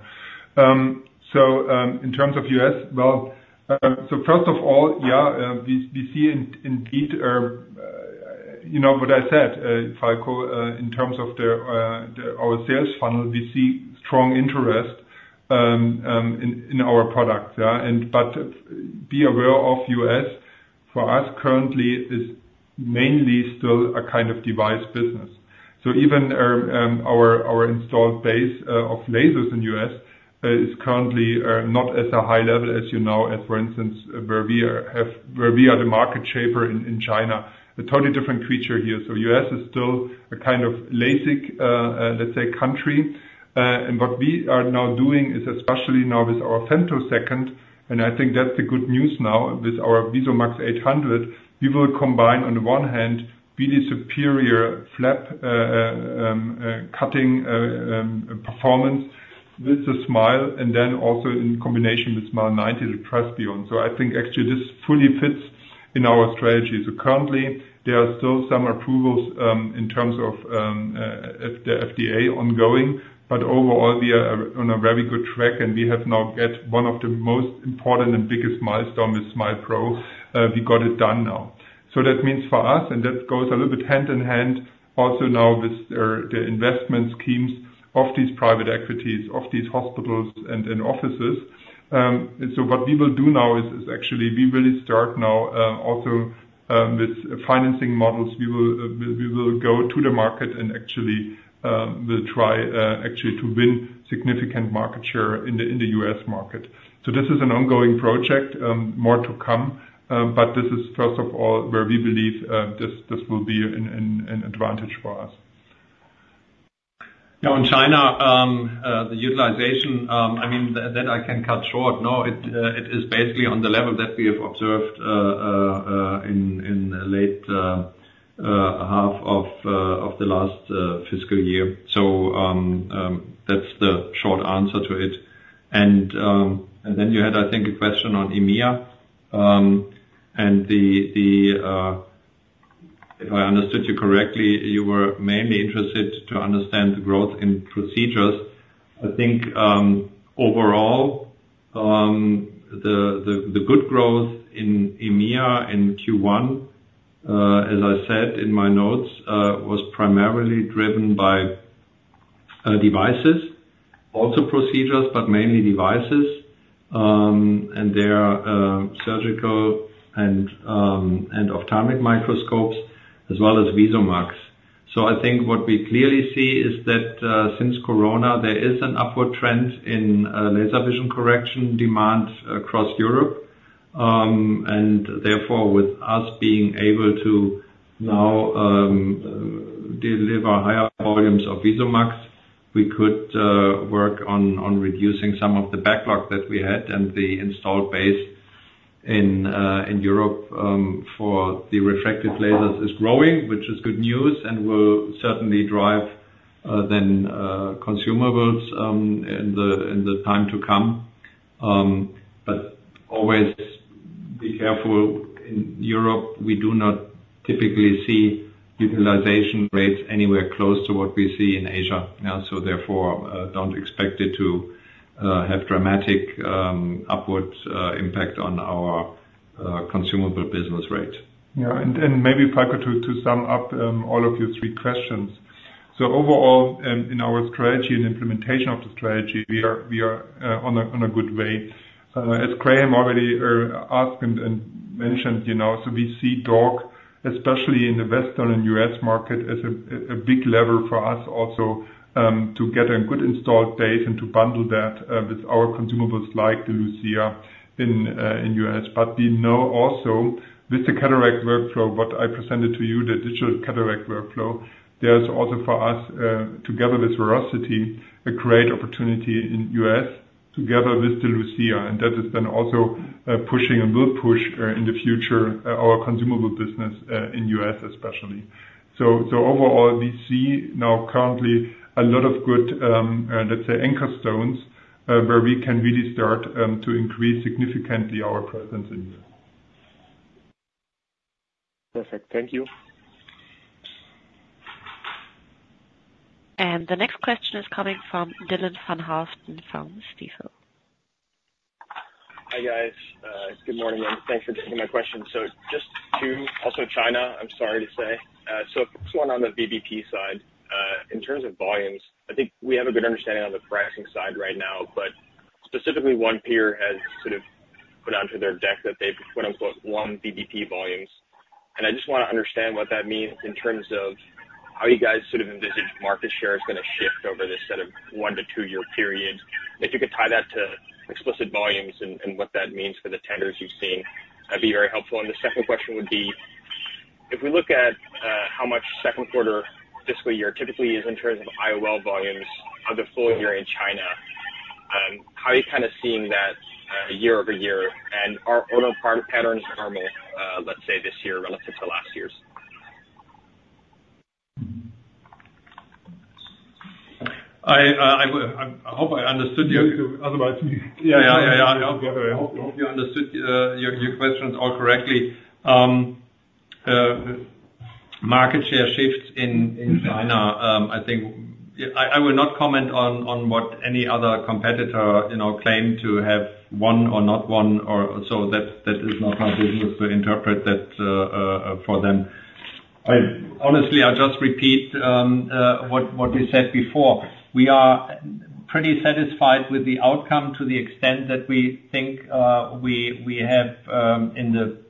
Speaker 3: So in terms of U.S., well, so first of all, yeah, we see indeed what I said, Falco. In terms of our sales funnel, we see strong interest in our products. But be aware of U.S., for us currently, is mainly still a kind of device business. So even our installed base of lasers in the US is currently not at a high level, as you know, as for instance, where we are the market shaper in China, a totally different creature here. So US is still a kind of LASIK, let's say, country. And what we are now doing is especially now with our femtosecond and I think that's the good news now with our VISUMAX 800, we will combine on the one hand really superior flap cutting performance with the SMILE and then also in combination with SMILE Pro, the transPRK. So I think actually this fully fits in our strategy. So currently, there are still some approvals in terms of the FDA ongoing. But overall, we are on a very good track. And we have now got one of the most important and biggest milestones with SMILE Pro. We got it done now. So that means for us and that goes a little bit hand in hand also now with the investment schemes of these private equities, of these hospitals and offices. So what we will do now is actually we really start now also with financing models. We will go to the market and actually will try actually to win significant market share in the U.S. market. So this is an ongoing project, more to come. But this is first of all where we believe this will be an advantage for us.
Speaker 4: Now in China, the utilization, I mean, that I can cut short. No, it is basically on the level that we have observed in the late half of the last fiscal year. So that's the short answer to it. And then you had, I think, a question on EMEA. If I understood you correctly, you were mainly interested to understand the growth in procedures. I think overall, the good growth in EMEA in Q1, as I said in my notes, was primarily driven by devices, also procedures, but mainly devices and their surgical and ophthalmic microscopes as well as VISUMAX. I think what we clearly see is that since corona, there is an upward trend in laser vision correction demand across Europe. And therefore, with us being able to now deliver higher volumes of VISUMAX, we could work on reducing some of the backlog that we had. And the installed base in Europe for the refractive lasers is growing, which is good news and will certainly drive then consumables in the time to come. But always be careful. In Europe, we do not typically see utilization rates anywhere close to what we see in Asia. So therefore, don't expect it to have dramatic upward impact on our consumable business rate.
Speaker 3: Yeah. And maybe Falko, to sum up all of your three questions. So overall, in our strategy and implementation of the strategy, we are on a good way. As Graham already asked and mentioned, so we see DORC, especially in the western and U.S. market, as a big lever for us also to get a good installed base and to bundle that with our consumables like the LUCIA in the U.S. But we know also with the cataract workflow, what I presented to you, the digital cataract workflow, there is also for us, together with VERACITY, a great opportunity in the U.S. together with the LUCIA. And that is then also pushing and will push in the future our consumable business in the U.S. especially. So overall, we see now currently a lot of good, let's say, anchor stones where we can really start to increase significantly our presence in the U.S.
Speaker 9: Perfect. Thank you.
Speaker 1: And the next question is coming from Dylan van Haaften from Stifel.
Speaker 10: Hi guys. Good morning. And thanks for taking my question. So just two, also China, I'm sorry to say. So first one on the VBP side. In terms of volumes, I think we have a good understanding on the pricing side right now. But specifically, one peer has sort of put onto their deck that they've "won" VBP volumes. And I just want to understand what that means in terms of how you guys sort of envisage market share is going to shift over this set of 1-2-year period. If you could tie that to explicit volumes and what that means for the tenders you've seen, that'd be very helpful. And the second question would be, if we look at how much second quarter fiscal year typically is in terms of IOL volumes of the full year in China, how are you kind of seeing that year-over-year? And are we on par with patterns normal, let's say, this year relative to last year's?
Speaker 3: I hope I understood you. Otherwise, yeah, yeah, yeah, yeah. I hope I understood your questions correctly. Market share shifts in China, I think I will not comment on what any other competitor claimed to have won or not won. So that is not my business to interpret that for them. Honestly, I just repeat what we said before. We are pretty satisfied with the outcome to the extent that we think we have in the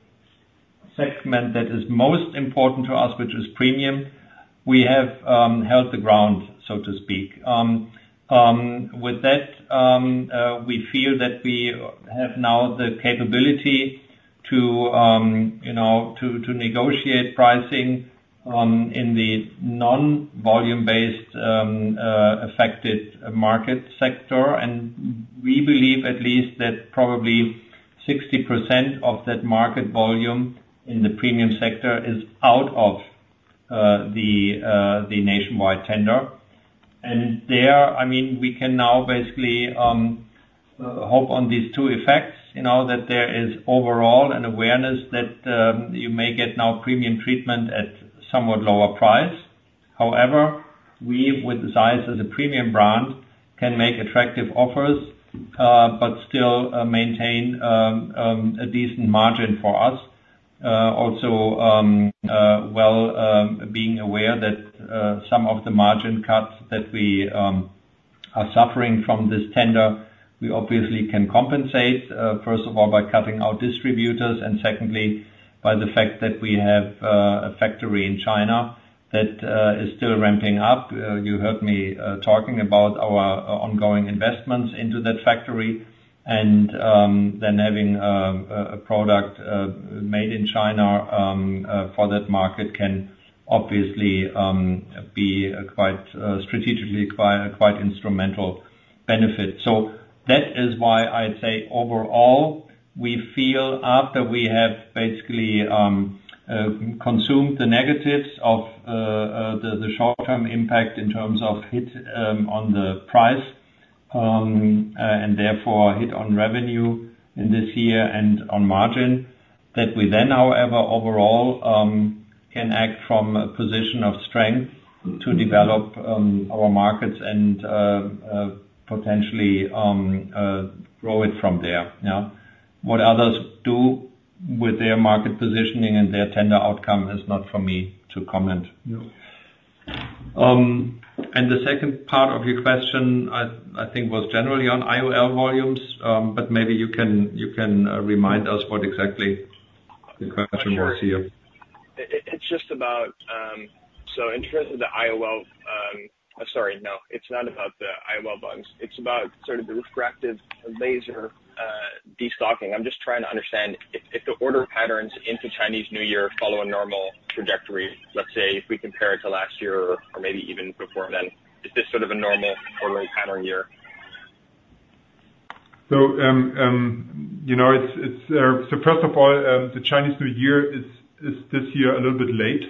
Speaker 3: segment that is most important to us, which is premium, we have held the ground, so to speak. With that, we feel that we have now the capability to negotiate pricing in the non-volume-based affected market sector. We believe at least that probably 60% of that market volume in the premium sector is out of the nationwide tender. There, I mean, we can now basically hope on these two effects that there is overall an awareness that you may get now premium treatment at somewhat lower price. However, we, with Zeiss as a premium brand, can make attractive offers but still maintain a decent margin for us, also well, being aware that some of the margin cuts that we are suffering from this tender, we obviously can compensate, first of all, by cutting out distributors. Secondly, by the fact that we have a factory in China that is still ramping up. You heard me talking about our ongoing investments into that factory. Then, having a product made in China for that market can obviously be quite strategically quite instrumental benefit. So that is why I'd say overall, we feel after we have basically consumed the negatives of the short-term impact in terms of hit on the price and therefore hit on revenue in this year and on margin, that we then, however, overall can act from a position of strength to develop our markets and potentially grow it from there. What others do with their market positioning and their tender outcome is not for me to comment. And the second part of your question, I think, was generally on IOL volumes. But maybe you can remind us what exactly the question was here. It's just about so in terms of the IOL, sorry, no. It's not about the IOL volumes. It's about sort of the refractive laser destocking.
Speaker 10: I'm just trying to understand if the order patterns into Chinese New Year follow a normal trajectory, let's say if we compare it to last year or maybe even before then, is this sort of a normal ordering pattern year?
Speaker 4: So first of all, the Chinese New Year is this year a little bit late,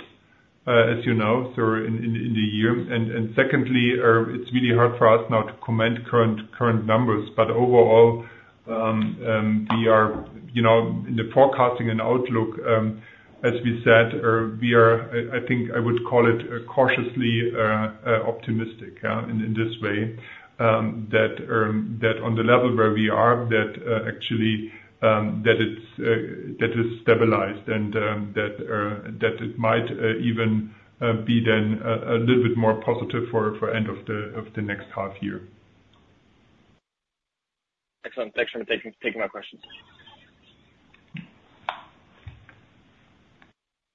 Speaker 4: as you know, so in the year. And secondly, it's really hard for us now to comment current numbers. But overall, we are in the forecasting and outlook, as we said, we are I think I would call it cautiously optimistic in this way that on the level where we are, that actually that it's stabilized and that it might even be then a little bit more positive for end of the next half year.
Speaker 10: Excellent. Thanks for taking my questions.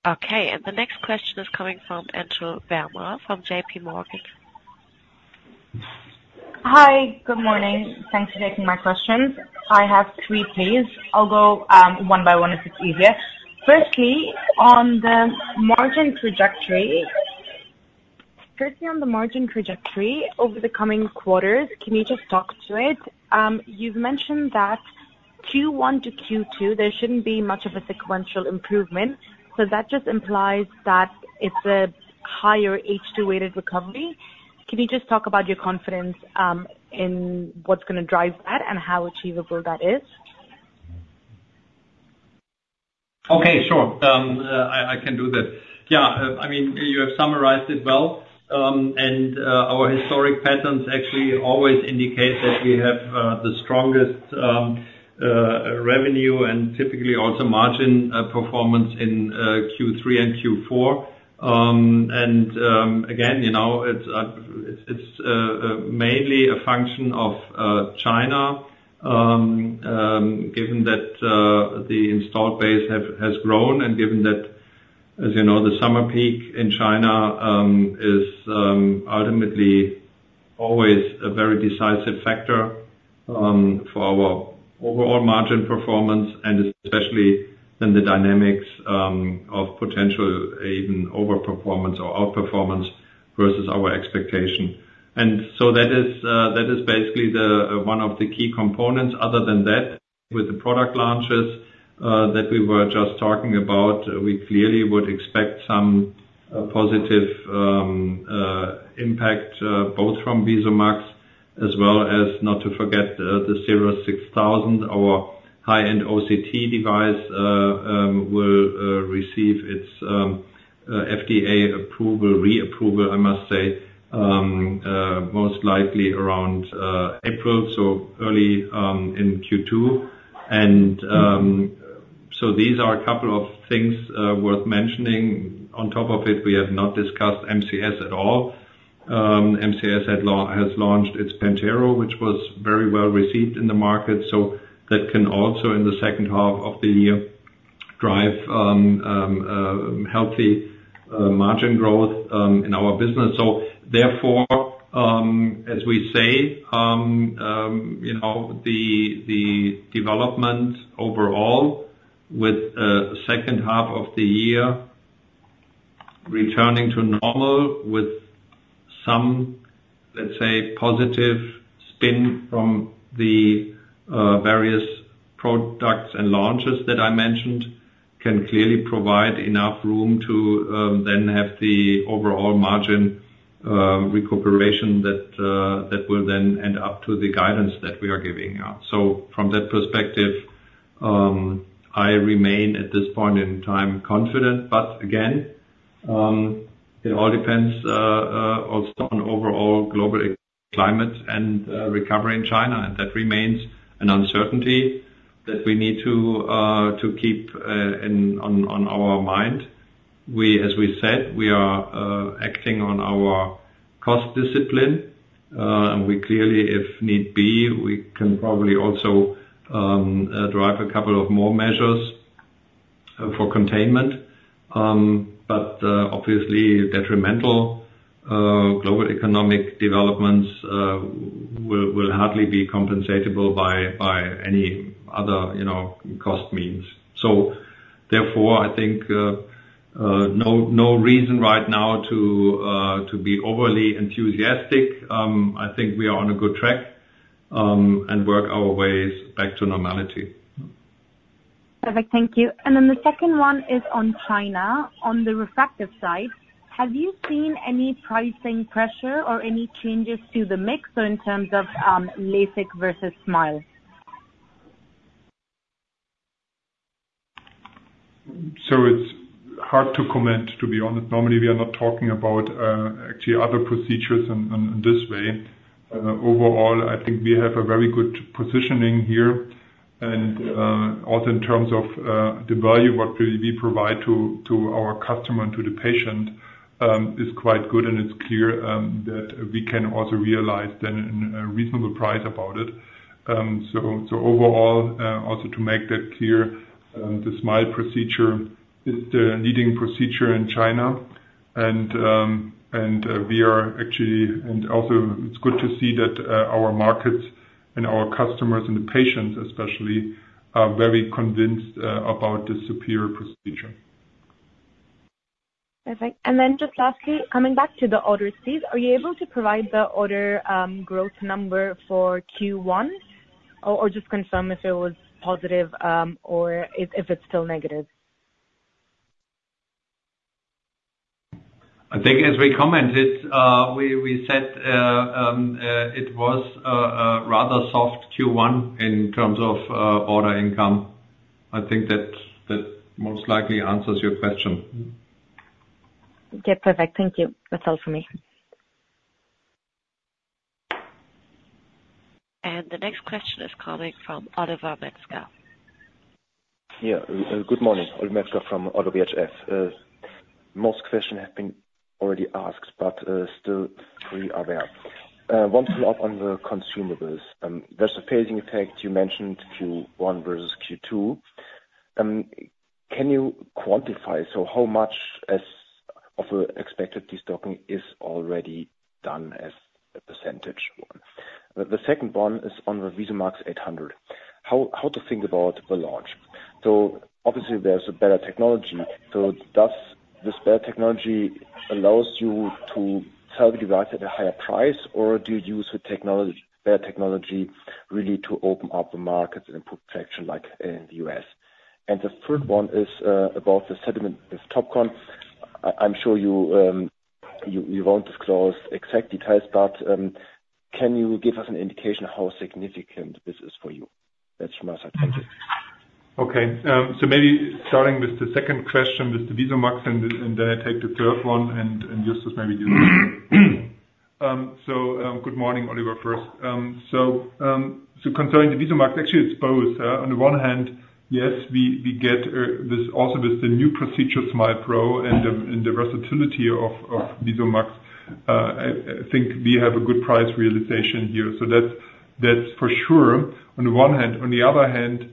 Speaker 1: Okay. And the next question is coming from Anchal Verma from JP Morgan.
Speaker 11: Hi. Good morning. Thanks for taking my questions. I have three pleas. I'll go one by one if it's easier. Firstly, on the margin trajectory, firstly, on the margin trajectory over the coming quarters, can you just talk to it? You've mentioned that Q1 to Q2, there shouldn't be much of a sequential improvement. So that just implies that it's a higher H2-weighted recovery. Can you just talk about your confidence in what's going to drive that and how achievable that is?
Speaker 3: Okay. Sure. I can do this. Yeah. I mean, you have summarized it well. Our historic patterns actually always indicate that we have the strongest revenue and typically also margin performance in Q3 and Q4. And again, it's mainly a function of China given that the installed base has grown and given that, as you know, the summer peak in China is ultimately always a very decisive factor for our overall margin performance and especially then the dynamics of potential even overperformance or outperformance versus our expectation. And so that is basically one of the key components. Other than that, with the product launches that we were just talking about, we clearly would expect some positive impact both from VISUMAX as well as not to forget the CIRRUS 6000, our high-end OCT device will receive its FDA approval, reapproval, I must say, most likely around April, so early in Q2. And so these are a couple of things worth mentioning. On top of it, we have not discussed MCS at all. MCS has launched its PENTERO, which was very well received in the market. So that can also in the second half of the year drive healthy margin growth in our business. So therefore, as we say, the development overall with second half of the year returning to normal with some, let's say, positive spin from the various products and launches that I mentioned can clearly provide enough room to then have the overall margin recuperation that will then end up to the guidance that we are giving. So from that perspective, I remain at this point in time confident. But again, it all depends also on overall global climate and recovery in China. And that remains an uncertainty that we need to keep on our mind. As we said, we are acting on our cost discipline. And we clearly, if need be, we can probably also drive a couple of more measures for containment. But obviously, detrimental global economic developments will hardly be compensatable by any other cost means. So therefore, I think no reason right now to be overly enthusiastic. I think we are on a good track and work our ways back to normality.
Speaker 11: Perfect. Thank you. And then the second one is on China. On the refractive side, have you seen any pricing pressure or any changes to the mix in terms of LASIK versus SMILE?
Speaker 3: So it's hard to comment, to be honest. Normally, we are not talking about actually other procedures in this way. Overall, I think we have a very good positioning here. And also in terms of the value what we provide to our customer and to the patient is quite good. And it's clear that we can also realize then a reasonable price about it. So overall, also to make that clear, the SMILE procedure is the leading procedure in China. And we are actually and also, it's good to see that our markets and our customers and the patients especially are very convinced about the superior procedure.
Speaker 11: Perfect. And then just lastly, coming back to the order intake, are you able to provide the order growth number for Q1 or just confirm if it was positive or if it's still negative?
Speaker 3: I think as we commented, we said it was a rather soft Q1 in terms of order intake. I think that most likely answers your question. Okay.
Speaker 11: Perfect. Thank you.
Speaker 1: That's all from me. And the next question is coming from Oliver Metzger.
Speaker 12: Yeah. Good morning. Oliver Metzger from ODDO BHF. Most questions have been already asked but still three are there. One follow-up on the consumables. There's a phasing effect. You mentioned Q1 versus Q2. Can you quantify, so how much of the expected destocking is already done as a percentage? The second one is on the VISUMAX 800. How to think about the launch? So obviously, there's a better technology. So does this better technology allows you to sell the device at a higher price? Or do you use better technology really to open up the markets and improve traction like in the US? And the third one is about the settlement with Topcon. I'm sure you won't disclose exact details. But can you give us an indication how significant this is for you? That's from us. Thank you.
Speaker 3: Okay. So maybe starting with the second question with the VISUMAX and then I take the third one and Justus maybe use the, so good morning, Oliver, first. So concerning the VISUMAX, actually, it's both. On the one hand, yes, we get also with the new procedure SMILE Pro and the versatility of VISUMAX, I think we have a good price realization here. So that's for sure on the one hand. On the other hand,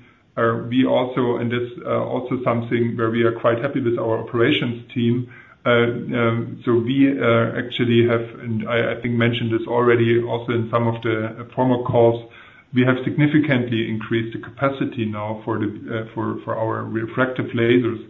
Speaker 3: we also and that's also something where we are quite happy with our operations team. So we actually have and I think mentioned this already also in some of the former calls, we have significantly increased the capacity now for our refractive lasers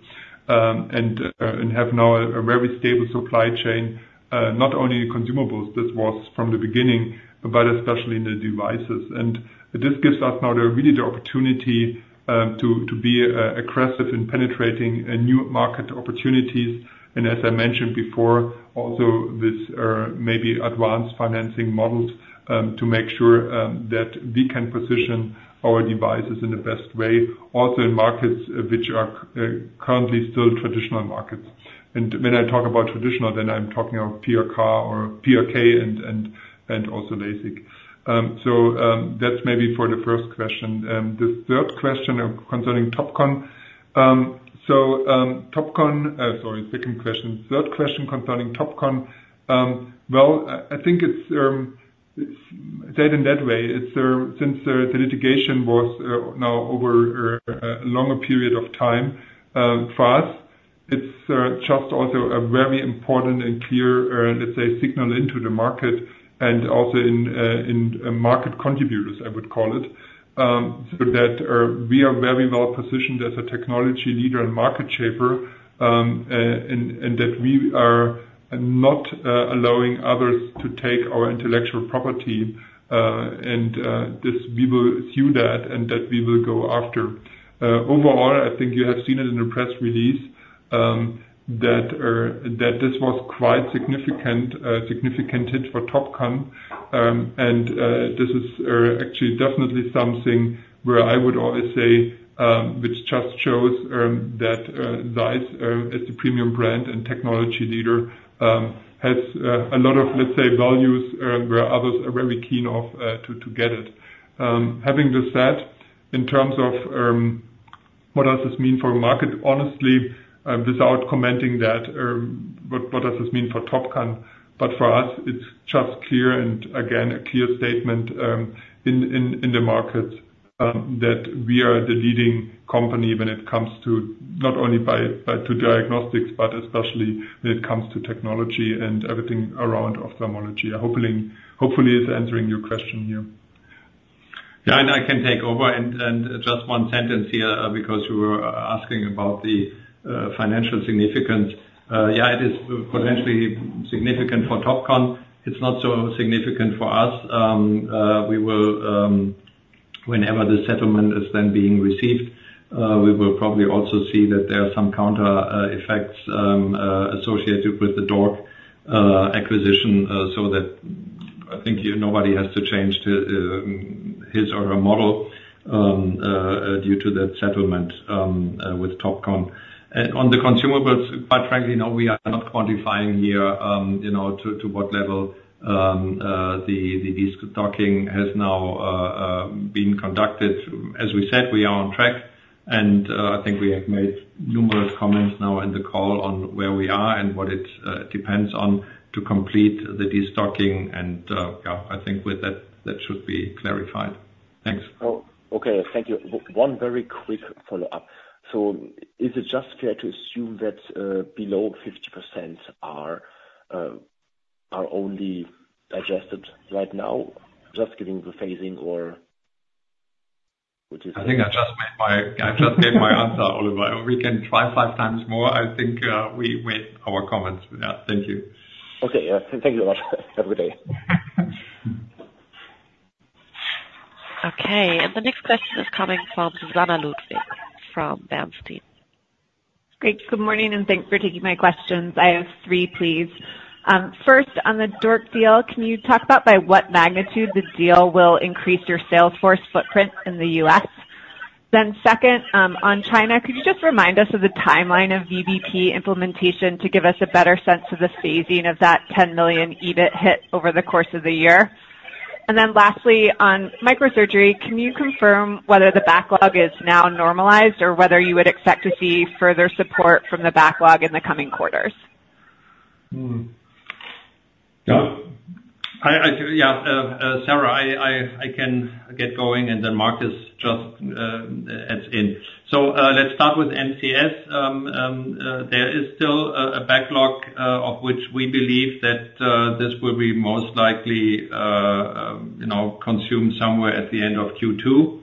Speaker 3: and have now a very stable supply chain, not only consumables. This was from the beginning but especially in the devices. And this gives us now really the opportunity to be aggressive in penetrating new market opportunities. And as I mentioned before, also this maybe advanced financing models to make sure that we can position our devices in the best way also in markets which are currently still traditional markets. And when I talk about traditional, then I'm talking of PRK or PRK and also LASIK. So that's maybe for the first question. The third question concerning Topcon so Topcon sorry, second question. Third question concerning Topcon. Well, I think it's said in that way. Since the litigation was now over a longer period of time for us, it's just also a very important and clear, let's say, signal into the market and also in market contributors, I would call it, so that we are very well positioned as a technology leader and market shaper and that we are not allowing others to take our intellectual property. And we will sue that, and that we will go after. Overall, I think you have seen it in the press release that this was quite significant hit for Topcon. And this is actually definitely something where I would always say which just shows that ZEISS as the premium brand and technology leader has a lot of, let's say, values where others are very keen to get it. Having this said, in terms of what does this mean for the market, honestly, without commenting that what does this mean for Topcon? But for us, it's just clear and again, a clear statement in the markets that we are the leading company when it comes to not only to diagnostics but especially when it comes to technology and everything around ophthalmology. Hopefully, it's answering your question here.
Speaker 4: Yeah. And I can take over. And just one sentence here because you were asking about the financial significance. Yeah. It is potentially significant for Topcon. It's not so significant for us. Whenever the settlement is then being received, we will probably also see that there are some counter effects associated with the DORC acquisition so that I think nobody has to change his or her model due to that settlement with Topcon. And on the consumables, quite frankly, no, we are not quantifying here to what level the destocking has now been conducted. As we said, we are on track. And I think we have made numerous comments now in the call on where we are and what it depends on to complete the destocking. And yeah, I think with that, that should be clarified. Thanks.
Speaker 12: Okay. Thank you. One very quick follow-up. So is it just fair to assume that below 50% are only adjusted right now, just giving the phasing or which is?
Speaker 4: I think I just made my I just gave my answer, Oliver. We can try five times more. I think we weighed our comments. Yeah. Thank you.
Speaker 12: Okay. Yeah. Thank you so much. Have a good day.
Speaker 1: Okay. And the next question is coming from Susannah Ludwig from Bernstein.
Speaker 13: Great. Good morning. And thanks for taking my questions. I have three, please. First, on the DORC deal, can you talk about by what magnitude the deal will increase your sales force footprint in the U.S.? Then second, on China, could you just remind us of the timeline of VBP implementation to give us a better sense of the phasing of that 10 million EBIT hit over the course of the year? And then lastly, on microsurgery, can you confirm whether the backlog is now normalized or whether you would expect to see further support from the backlog in the coming quarters?
Speaker 4: Yeah. Sarah, I can get going. And then Markus just adds in. So let's start with MCS. There is still a backlog of which we believe that this will be most likely consumed somewhere at the end of Q2.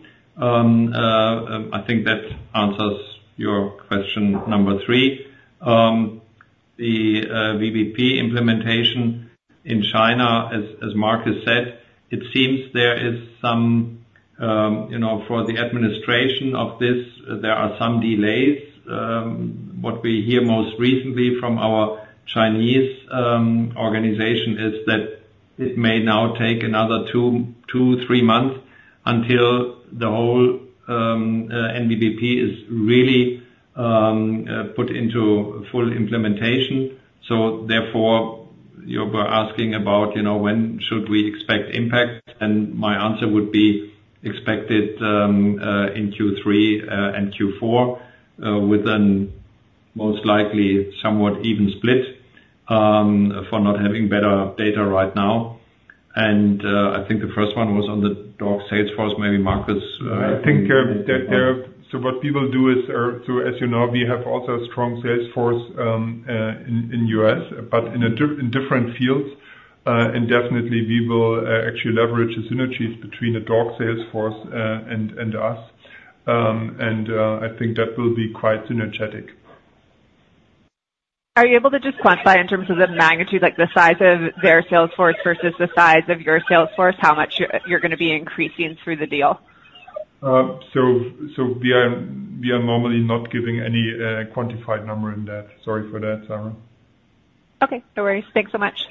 Speaker 4: I think that answers your question number 3. The VBP implementation in China, as Markus said, it seems there is some for the administration of this, there are some delays. What we hear most recently from our Chinese organization is that it may now take another 2-3 months until the whole NVBP is really put into full implementation. So therefore, you were asking about when should we expect impact? My answer would be expected in Q3 and Q4 with a most likely somewhat even split for not having better data right now. I think the first one was on the DORC salesforce. Maybe Markus?
Speaker 3: I think so what we will do is so as you know, we have also a strong salesforce in the US but in different fields. And definitely, we will actually leverage the synergies between the DORC salesforce and us. And I think that will be quite synergistic.
Speaker 13: Are you able to just quantify in terms of the magnitude, like the size of their salesforce versus the size of your salesforce, how much you're going to be increasing through the deal?
Speaker 4: So we are normally not giving any quantified number in that. Sorry for that, Sarah.
Speaker 13: Okay. No worries. Thanks so much.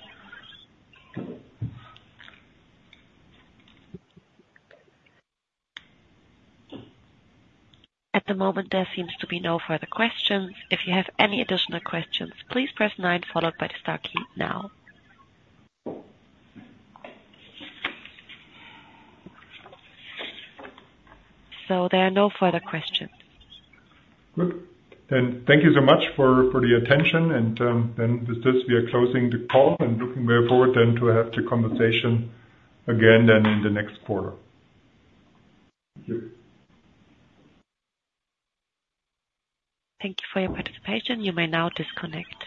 Speaker 1: At the moment, there seems to be no further questions. If you have any additional questions, please press 9 followed by the star key now. So there are no further questions.
Speaker 3: Good. Then thank you so much for the attention. And then with this, we are closing the call and looking very forward then to have the conversation again then in the next quarter. Thank you.
Speaker 1: Thank you for your participation. You may now disconnect.